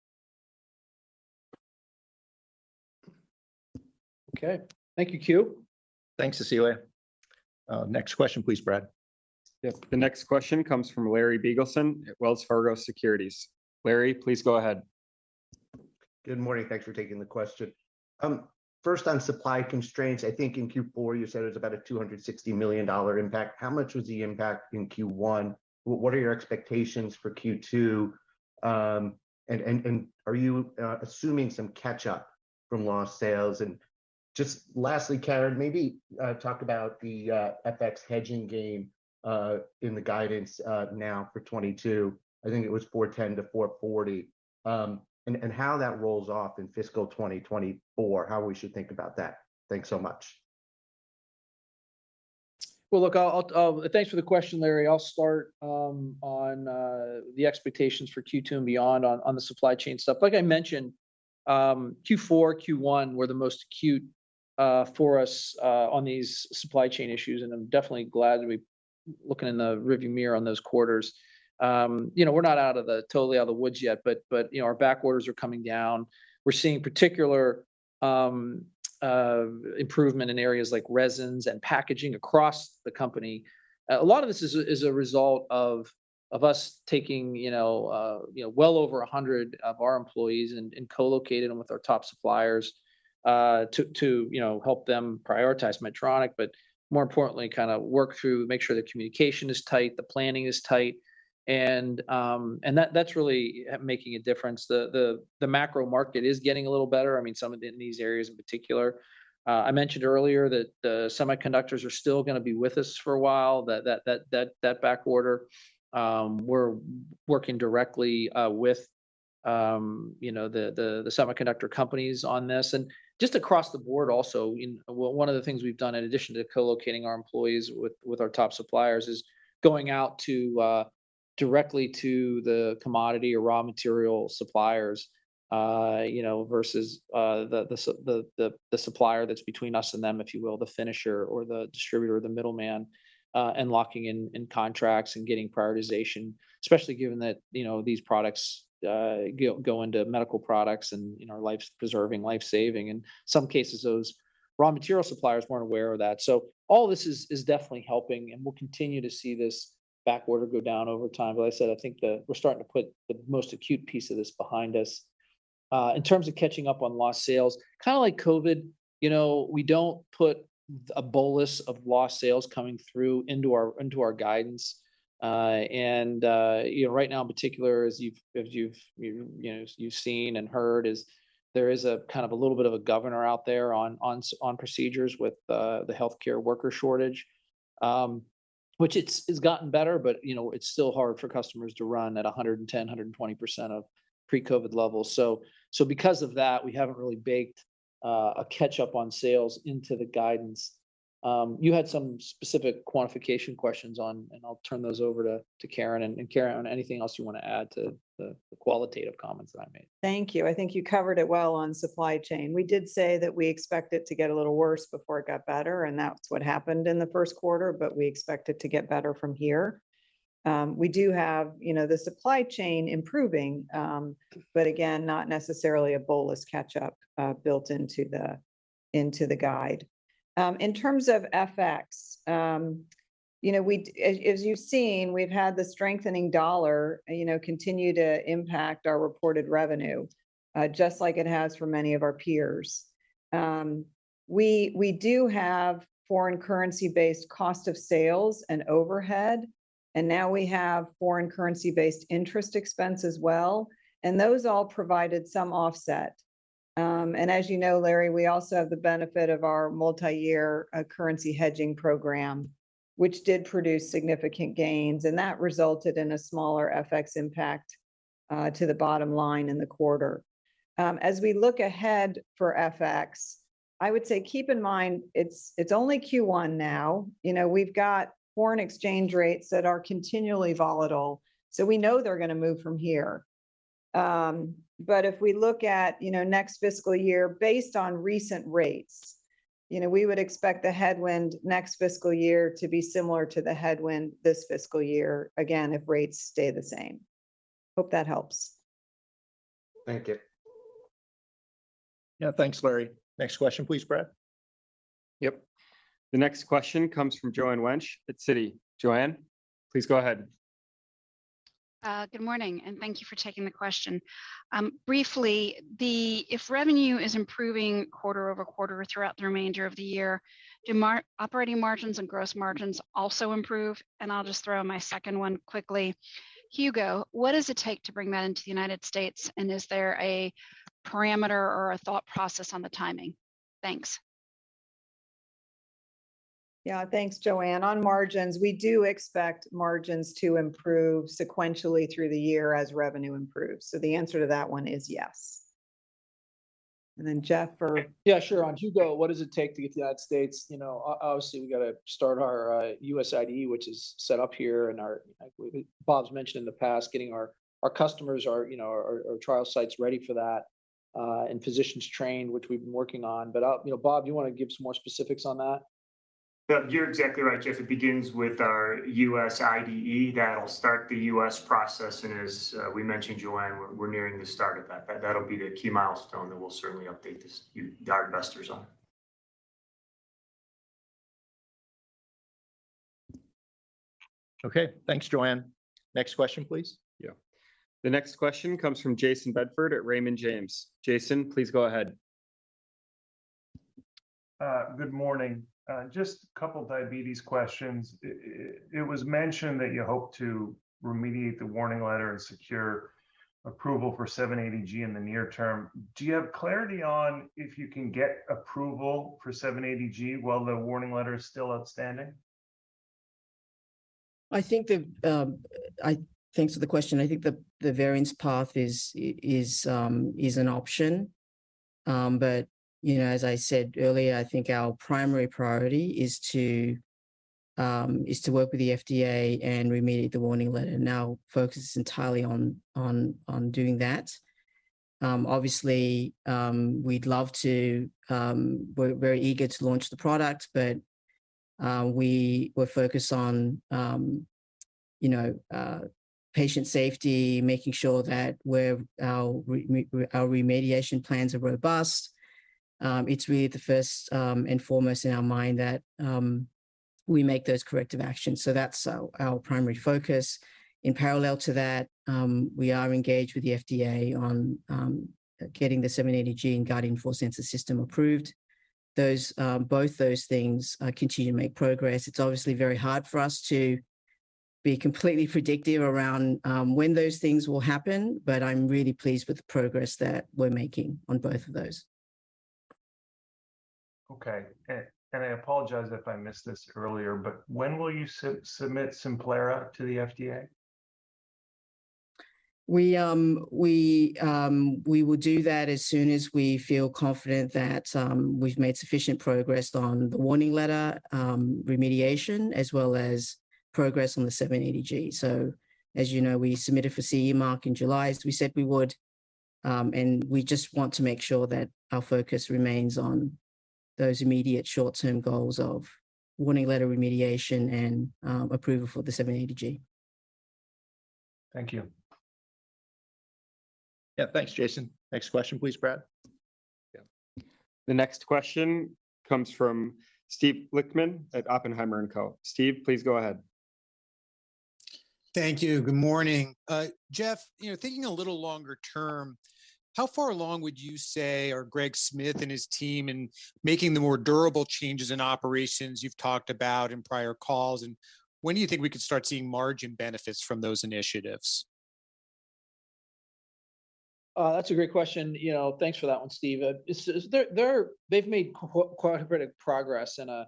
Okay. Thank you, Que. Thanks, Cecilia. Next question please, Brad. Yes. The next question comes from Larry Biegelsen at Wells Fargo Securities. Larry, please go ahead. Good morning. Thanks for taking the question. First on supply constraints, I think in Q4 you said it was about a $260 million impact. How much was the impact in Q1? What are your expectations for Q2? And are you assuming some catch-up from lost sales? Just lastly, Karen, maybe talk about the FX hedging gain in the guidance now for 2022, I think it was $410-$440, and how that rolls off in fiscal 2024, how we should think about that. Thanks so much. Thanks for the question, Larry. I'll start on the expectations for Q2 and beyond on the supply chain stuff. Like I mentioned, Q4, Q1 were the most acute for us on these supply chain issues, and I'm definitely glad to be looking in the rearview mirror on those quarters. You know, we're not totally out of the woods yet, but you know, our back orders are coming down. We're seeing particular improvement in areas like resins and packaging across the company. A lot of this is a result of us taking, you know, well over a hundred of our employees and co-locating them with our top suppliers, you know, to help them prioritize Medtronic, but more importantly, kinda work through, make sure the communication is tight, the planning is tight, and that that's really making a difference. The macro market is getting a little better, I mean, some of it in these areas in particular. I mentioned earlier that the semiconductors are still gonna be with us for a while, that back order. We're working directly with, you know, the semiconductor companies on this, and just across the board also in. Well, one of the things we've done in addition to co-locating our employees with our top suppliers is going out to directly to the commodity or raw material suppliers, you know, versus the supplier that's between us and them, if you will, the finisher or the distributor or the middleman, and locking in contracts and getting prioritization, especially given that, you know, these products go into medical products and, you know, are life-preserving, life-saving, and some cases, those raw material suppliers weren't aware of that. All this is definitely helping, and we'll continue to see this backorder go down over time. As I said, I think we're starting to put the most acute piece of this behind us. In terms of catching up on lost sales, kinda like COVID, you know, we don't put a bolus of lost sales coming through into our guidance. You know, right now in particular, as you've seen and heard, there is a kind of a little bit of a governor out there on procedures with the healthcare worker shortage, which it's gotten better, but you know, it's still hard for customers to run at 110%-120% of pre-COVID levels. Because of that, we haven't really baked a catch-up on sales into the guidance. You had some specific quantification questions on, and I'll turn those over to Karen, and Karen, anything else you wanna add to the qualitative comments that I made? Thank you. I think you covered it well on supply chain. We did say that we expect it to get a little worse before it got better, and that's what happened in the Q1, but we expect it to get better from here. We do have, you know, the supply chain improving, but again, not necessarily a bolus catch-up, built into the guide. In terms of FX, you know, as you've seen, we've had the strengthening dollar, you know, continue to impact our reported revenue, just like it has for many of our peers. We do have foreign currency-based cost of sales and overhead, and now we have foreign currency-based interest expense as well, and those all provided some offset. As you know, Larry, we also have the benefit of our multi-year currency hedging program, which did produce significant gains, and that resulted in a smaller FX impact to the bottom line in the quarter. As we look ahead for FX, I would say keep in mind it's only Q1 now. You know, we've got foreign exchange rates that are continually volatile, so we know they're gonna move from here. But if we look at next fiscal year, based on recent rates, you know, we would expect the headwind next fiscal year to be similar to the headwind this fiscal year, again, if rates stay the same. Hope that helps. Thank you. Yeah. Thanks, Larry. Next question please, Brad. Yep. The next question comes from Joanne Wuensch at Citi. Joanne, please go ahead. Good morning, and thank you for taking the question. Briefly, if revenue is improving quarter-over-quarter throughout the remainder of the year, do operating margins and gross margins also improve? I'll just throw in my second one quickly. Hugo, what does it take to bring that into the United States, and is there a parameter or a thought process on the timing? Thanks. Yeah. Thanks, Joanne. On margins, we do expect margins to improve sequentially through the year as revenue improves, so the answer to that one is yes. Geoff for- Yeah, sure. On Hugo, what does it take to get to the United States? You know, obviously, we gotta start our US IDE, which is set up here, and, like Bob's mentioned in the past, getting our customers, you know, our trial sites ready for that, and physicians trained, which we've been working on. You know, Bob, you wanna give some more specifics on that? Yeah. You're exactly right, Geoff. It begins with our US IDE. That'll start the US process, and as we mentioned, Joanne, we're nearing the start of that. That'll be the key milestone that we'll certainly update you, our investors on. Okay. Thanks, Joanne. Next question please. Yeah. The next question comes from Jayson Bedford at Raymond James. Jayson, please go ahead. Good morning. Just a couple diabetes questions. It was mentioned that you hope to remediate the warning letter and secure approval for 780G in the near term. Do you have clarity on if you can get approval for 780G while the warning letter is still outstanding? Thanks for the question. I think the variance path is an option, but you know, as I said earlier, I think our primary priority is to work with the FDA and remediate the warning letter. Now focus is entirely on doing that. Obviously, we'd love to. We're eager to launch the product, but we're focused on you know, patient safety, making sure that our remediation plans are robust. It's really the first and foremost in our mind that we make those corrective actions. So that's our primary focus. In parallel to that, we are engaged with the FDA on getting the 780G and Guardian 4 sensor system approved. Both those things continue to make progress. It's obviously very hard for us to be completely predictive around when those things will happen, but I'm really pleased with the progress that we're making on both of those. I apologize if I missed this earlier, but when will you submit Simplera to the FDA? We will do that as soon as we feel confident that we've made sufficient progress on the warning letter remediation, as well as progress on the 780G. As you know, we submitted for CE mark in July, as we said we would. We just want to make sure that our focus remains on those immediate short-term goals of warning letter remediation and approval for the 780G. Thank you. Yeah. Thanks, Jason. Next question, please, Brad. Yeah. The next question comes from Steven Lichtman at Oppenheimer & Co. Steve, please go ahead. Thank you. Good morning. Geoff, you know, thinking a little longer term, how far along would you say are Greg Smith and his team in making the more durable changes in operations you've talked about in prior calls, and when do you think we could start seeing margin benefits from those initiatives? That's a great question. You know, thanks for that one, Steven. They've made quite a bit of progress in a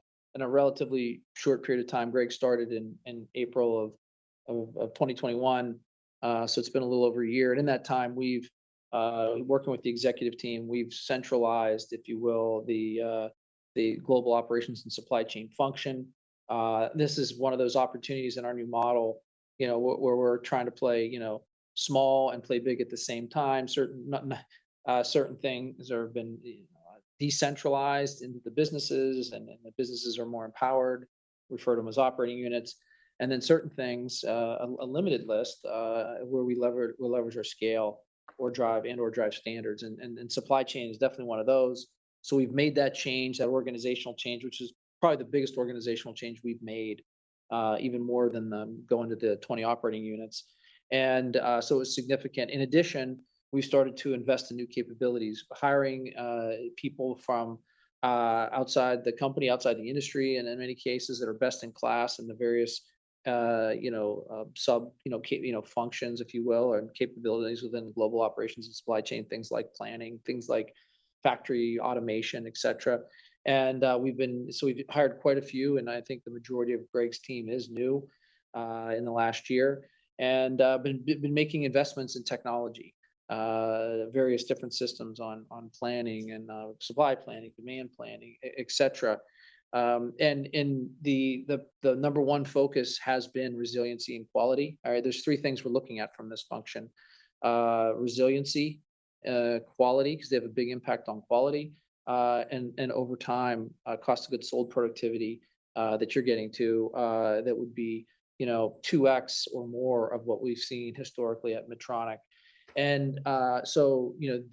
relatively short period of time. Greg started in April of 2021. So it's been a little over a year. In that time, working with the executive team, we've centralized, if you will, the global operations and supply chain function. This is one of those opportunities in our new model, you know, where we're trying to play, you know, small and play big at the same time. Certain things that have been decentralized into the businesses and the businesses are more empowered. We refer to them as operating units. Certain things, a limited list, where we leverage our scale or drive and/or drive standards, and supply chain is definitely one of those. We've made that change, that organizational change, which is probably the biggest organizational change we've made, even more than the going to the 20 operating units. It's significant. In addition, we started to invest in new capabilities, hiring people from outside the company, outside the industry, and in many cases that are best in class in the various, you know, functions, if you will, or capabilities within the global operations and supply chain, things like planning, things like factory automation, et cetera. We've hired quite a few, and I think the majority of Greg's team is new in the last year. We've been making investments in technology, various different systems on planning and supply planning, demand planning, et cetera. The number one focus has been resiliency and quality. All right. There are three things we're looking at from this function. Resiliency, quality, 'cause they have a big impact on quality, and over time, cost of goods sold productivity that you're getting to, that would be, you know, 2x or more of what we've seen historically at Medtronic. You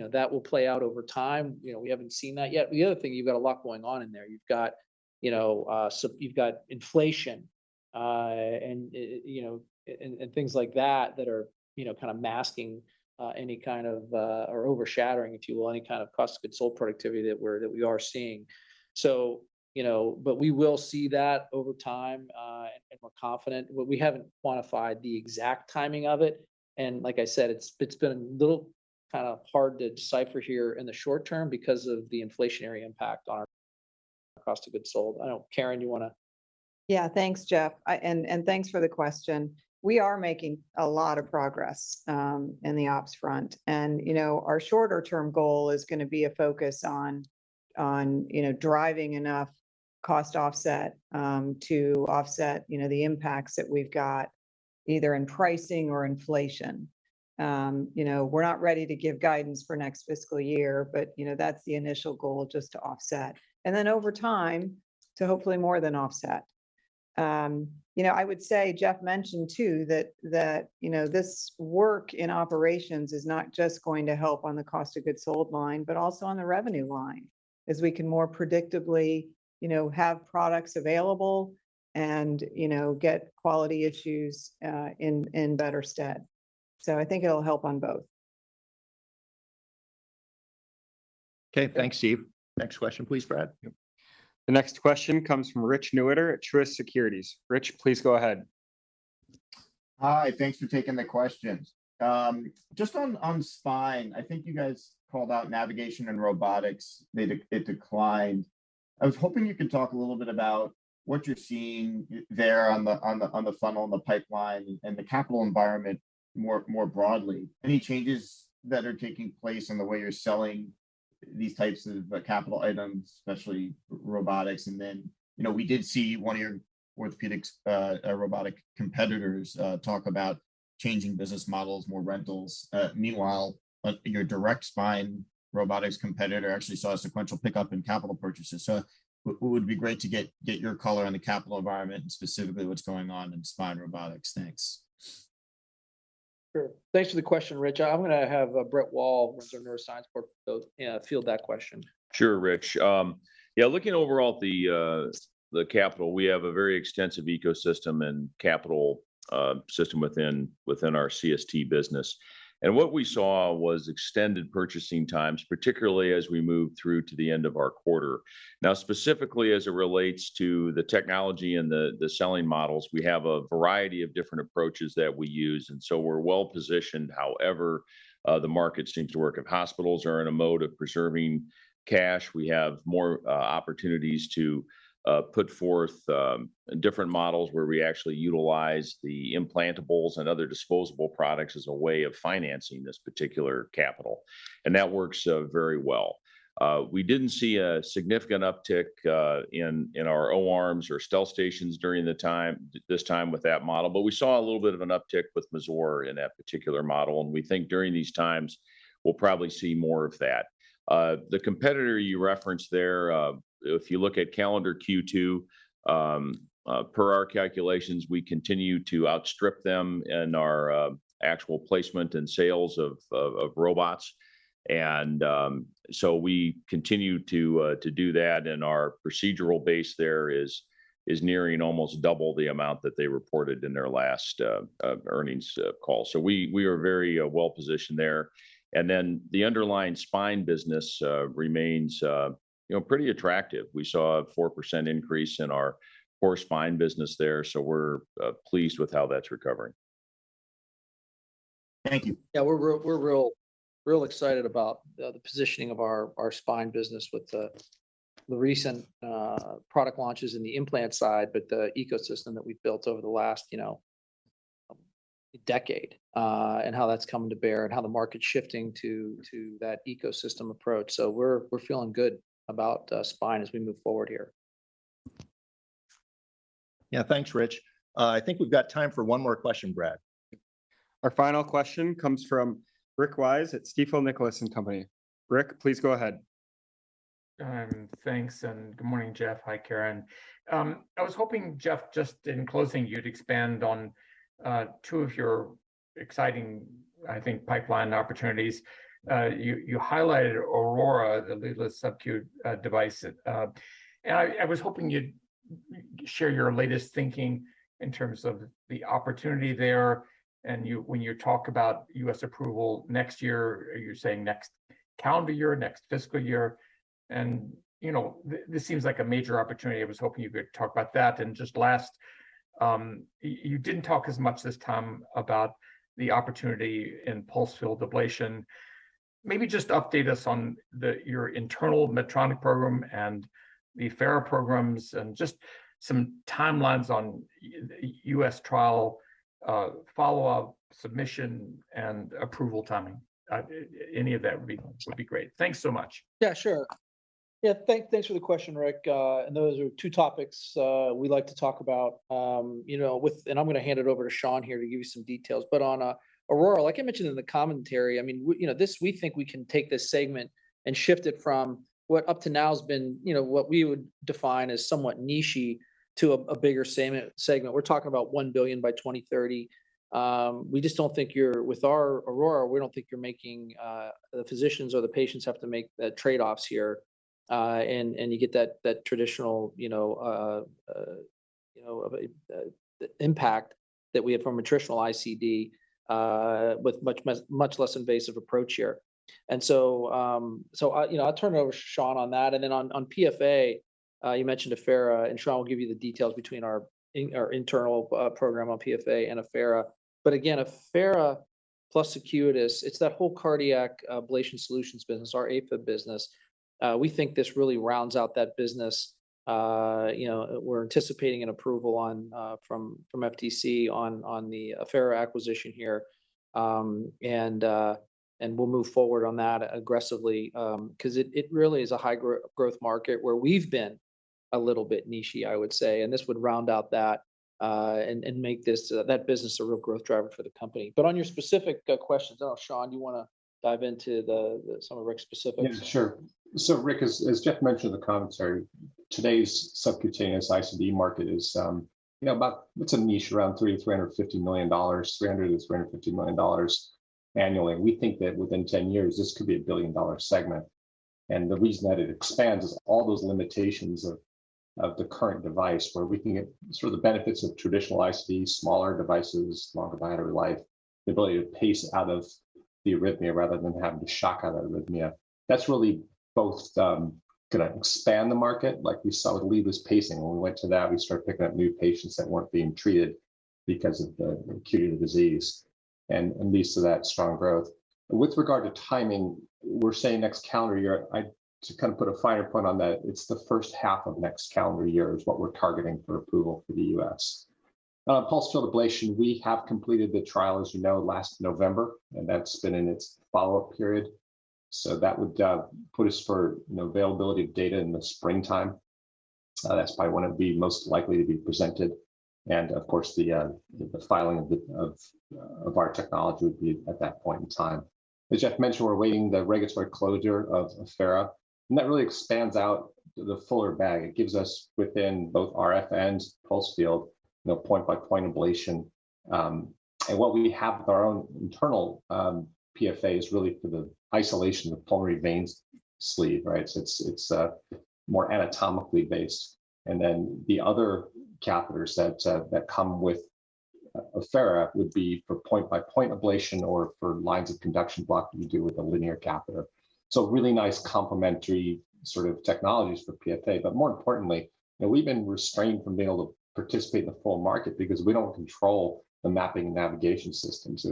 know, that will play out over time. You know, we haven't seen that yet. The other thing, you've got a lot going on in there. You've got, you know, you've got inflation and, you know, and things like that that are, you know, kind of masking any kind of or overshadowing, if you will, any kind of cost of goods sold productivity that we are seeing. We will see that over time, you know, and we're confident. We haven't quantified the exact timing of it. Like I said, it's been a little kind of hard to decipher here in the short term because of the inflationary impact on our cost of goods sold. I don't know, Karen, you wanna? Yeah. Thanks, Geoff. Thanks for the question. We are making a lot of progress in the ops front. You know, our shorter term goal is gonna be a focus on, you know, driving enough cost offset to offset, you know, the impacts that we've got either in pricing or inflation. You know, we're not ready to give guidance for next fiscal year, but you know, that's the initial goal, just to offset. Then over time, to hopefully more than offset. You know, I would say Geoff mentioned too that you know, this work in operations is not just going to help on the cost of goods sold line, but also on the revenue line, as we can more predictably, you know, have products available and, you know, get quality issues in better stead. I think it'll help on both. Okay. Thanks, Steve. Next question, please, Brad. The next question comes from Rich Newitter at Truist Securities. Rich, please go ahead. Hi. Thanks for taking the questions. Just on spine, I think you guys called out navigation and robotics. It declined. I was hoping you could talk a little bit about what you're seeing there on the funnel and the pipeline and the capital environment more broadly. Any changes that are taking place in the way you're selling these types of capital items, especially robotics? You know, we did see one of your orthopedics robotic competitors talk about changing business models, more rentals. Meanwhile, your direct spine robotics competitor actually saw a sequential pickup in capital purchases. Would be great to get your color on the capital environment and specifically what's going on in spine robotics. Thanks. Sure. Thanks for the question, Rich. I'm have Brett Wall field that question. Sure, Rich. Looking overall at the capital, we have a very extensive ecosystem and capital system within our CST business. What we saw was extended purchasing times, particularly as we moved through to the end of our quarter. Now, specifically as it relates to the technology and the selling models, we have a variety of different approaches that we use, so we're well-positioned. However, the market seems to work if hospitals are in a mode of preserving cash. We have more opportunities to put forth different models where we actually utilize the implantables and other disposable products as a way of financing this particular capital, and that works very well. We didn't see a significant uptick in our O-arm or StealthStation during this time with that model, but we saw a little bit of an uptick with Mazor in that particular model, and we think during these times we'll probably see more of that. The competitor you referenced there, if you look at calendar Q2, per our calculations, we continue to outstrip them in our actual placement and sales of robots. We continue to do that, and our procedural base there is nearing almost double the amount that they reported in their last earnings call. We are very well-positioned there. The underlying spine business remains you know pretty attractive. We saw a 4% increase in our core spine business there, so we're pleased with how that's recovering. Thank you. Yeah. We're really excited about the positioning of our spine business with the recent product launches in the implant side, but the ecosystem that we've built over the last decade, you know, and how that's coming to bear and how the market's shifting to that ecosystem approach. We're feeling good about spine as we move forward here. Yeah. Thanks, Rich. I think we've got time for one more question, Brad. Our final question comes from Rick Wise at Stifel, Nicolaus & Company. Rick, please go ahead. Thanks, and good morning, Geoff. Hi, Karen. I was hoping, Geoff, just in closing you'd expand on two of your exciting, I think, pipeline opportunities. You highlighted Aurora, the leadless subcutaneous device that. I was hoping you'd share your latest thinking in terms of the opportunity there and, when you talk about US approval next year, are you saying next calendar year or next fiscal year? You know, this seems like a major opportunity. I was hoping you could talk about that. Just last, you didn't talk as much this time about the opportunity in pulsed field ablation. Maybe just update us on your internal Medtronic program and the Affera programs and just some timelines on US trial follow-up, submission, and approval timing. Any of that would be great. Thanks so much. Yeah, sure. Thanks for the question, Rick. Those are two topics we like to talk about, you know. I'm gonna hand it over to Sean here to give you some details. On Aurora, like I mentioned in the commentary, I mean, we, you know, this, we think we can take this segment and shift it from what up to now has been, you know, what we would define as somewhat niche-y to a bigger segment. We're talking about $1 billion by 2030. With our Aurora, we just don't think you're making the physicians or the patients have to make trade-offs here. You get that traditional impact that we had from a traditional ICD with much less invasive approach here. you know, I'll turn it over to Sean on that. On PFA, you mentioned Affera, and Sean will give you the details between our internal program on PFA and Affera. Again, Affera plus Acutus, it's that whole cardiac ablation solutions business, our AFib business. We think this really rounds out that business. You know, we're anticipating an approval from FTC on the Affera acquisition here. We'll move forward on that aggressively, 'cause it really is a high growth market where we've been a little bit niche-y, I would say, and this would round out that and make that business a real growth driver for the company. On your specific questions, I don't know, Sean, do you wanna dive into the some of Rick's specifics? Yeah, sure. Rick, as Geoff mentioned in the commentary, today's subcutaneous ICD market is a niche around $300-$350 million, $300-$350 million annually. We think that within 10 years this could be a billion-dollar segment. The reason that it expands is all those limitations of the current device, where we can get sort of the benefits of traditional ICD, smaller devices, longer battery life, the ability to pace out of the arrhythmia rather than having to shock out the arrhythmia. That's really both gonna expand the market, like we saw with leadless pacing. When we went to that, we started picking up new patients that weren't being treated because of the acuity of the disease, and it leads to that strong growth. With regard to timing, we're saying next calendar year. To kind of put a finer point on that, it's the first half of next calendar year is what we're targeting for approval for the US Pulsed field ablation, we have completed the trial, as you know, last November, and that's been in its follow-up period. That would put us for, you know, availability of data in the springtime. That's probably when it'd be most likely to be presented. Of course, the filing of our technology would be at that point in time. As Jeff mentioned, we're awaiting the regulatory closure of Affera, and that really expands out the fuller bag. It gives us within both RF and pulsed field, you know, point by point ablation. What we have with our own internal PFA is really for the isolation of pulmonary veins sleeve, right? It's more anatomically based. The other catheters that come with Affera would be for point by point ablation or for lines of conduction block that you do with a linear catheter. Really nice complementary sort of technologies for PFA. More importantly, you know, we've been restrained from being able to participate in the full market because we don't control the mapping and navigation systems.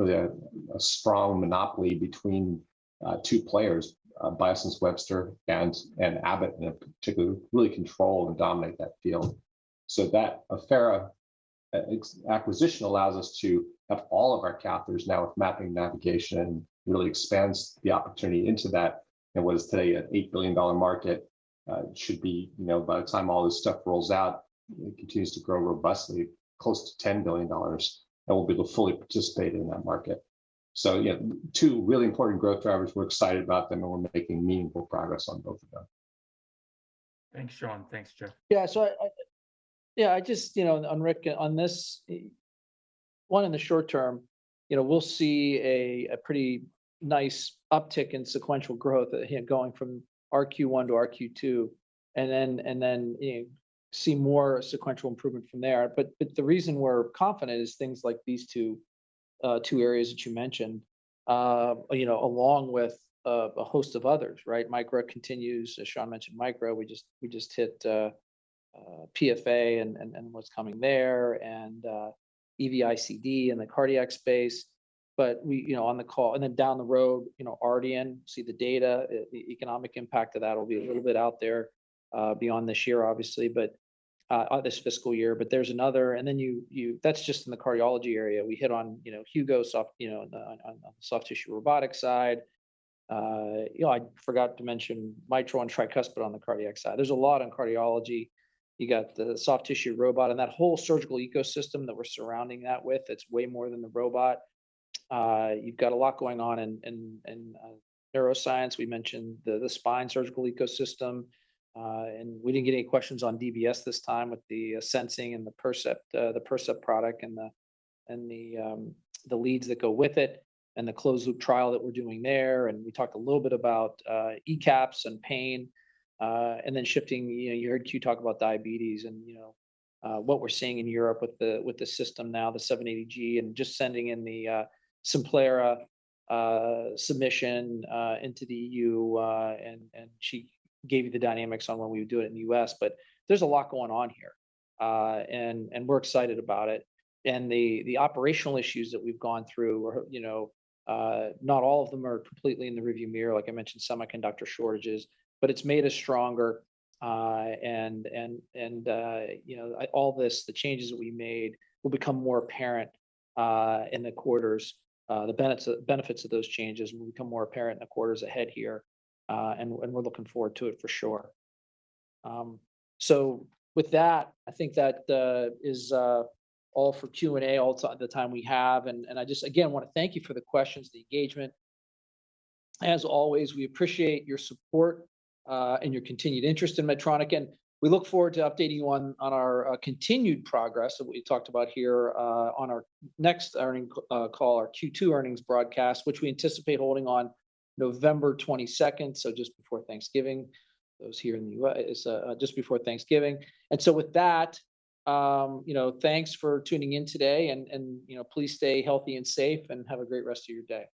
There's really a strong monopoly between two players, Biosense Webster and Abbott in particular who really control and dominate that field. That Affera acquisition allows us to have all of our catheters now with mapping navigation, really expands the opportunity into that. What is today an $8 billion market should be, you know, by the time all this stuff rolls out, it continues to grow robustly close to $10 billion, and we'll be able to fully participate in that market. Yeah, two really important growth drivers. We're excited about them, and we're making meaningful progress on both of them. Thanks, Sean. Thanks, Geoff. Yeah, so I just, you know, on Rick, on this one in the short term, you know, we'll see a pretty nice uptick in sequential growth, again, going from Q1 to Q2, and then, you know, see more sequential improvement from there. But the reason we're confident is things like these two areas that you mentioned, you know, along with a host of others, right? Micra continues. As Sean mentioned, Micra, we just hit PFA and what's coming there and EV-ICD in the cardiac space. But we, you know, on the call. Then down the road, you know, RDN, see the data, the economic impact of that will be a little bit out there, beyond this year, obviously, but or this fiscal year. That's just in the cardiology area. We hit on, you know, Hugo, you know, on the soft tissue robotic side. I forgot to mention Mitral and Tricuspid on the cardiac side. There's a lot in cardiology. You got the soft tissue robot and that whole surgical ecosystem that we're surrounding that with. It's way more than the robot. You've got a lot going on in neuroscience. We mentioned the spine surgical ecosystem. We didn't get any questions on DBS this time with the sensing and the Percept product and the leads that go with it and the closed loop trial that we're doing there. We talked a little bit about ECAPs and pain. Shifting, you know, you heard Q talk about diabetes and, you know, what we're seeing in Europe with the system now, the 780G, and just sending in the Simplera submission into the EU, and she gave you the dynamics on when we would do it in the US. There's a lot going on here, and we're excited about it. The operational issues that we've gone through are, you know, not all of them are completely in the rearview mirror. Like I mentioned, semiconductor shortages. It's made us stronger. You know, all this, the changes that we made will become more apparent in the quarters. The benefits of those changes will become more apparent in the quarters ahead here. We're looking forward to it for sure. With that, I think that is all for Q&A, all the time we have. I just again want to thank you for the questions, the engagement. As always, we appreciate your support and your continued interest in Medtronic, and we look forward to updating you on our continued progress that we talked about here on our next earnings call, our Q2 earnings broadcast, which we anticipate holding on November 22nd, so just before Thanksgiving. Those here in the US, just before Thanksgiving. With that, you know, thanks for tuning in today and you know, please stay healthy and safe and have a great rest of your day.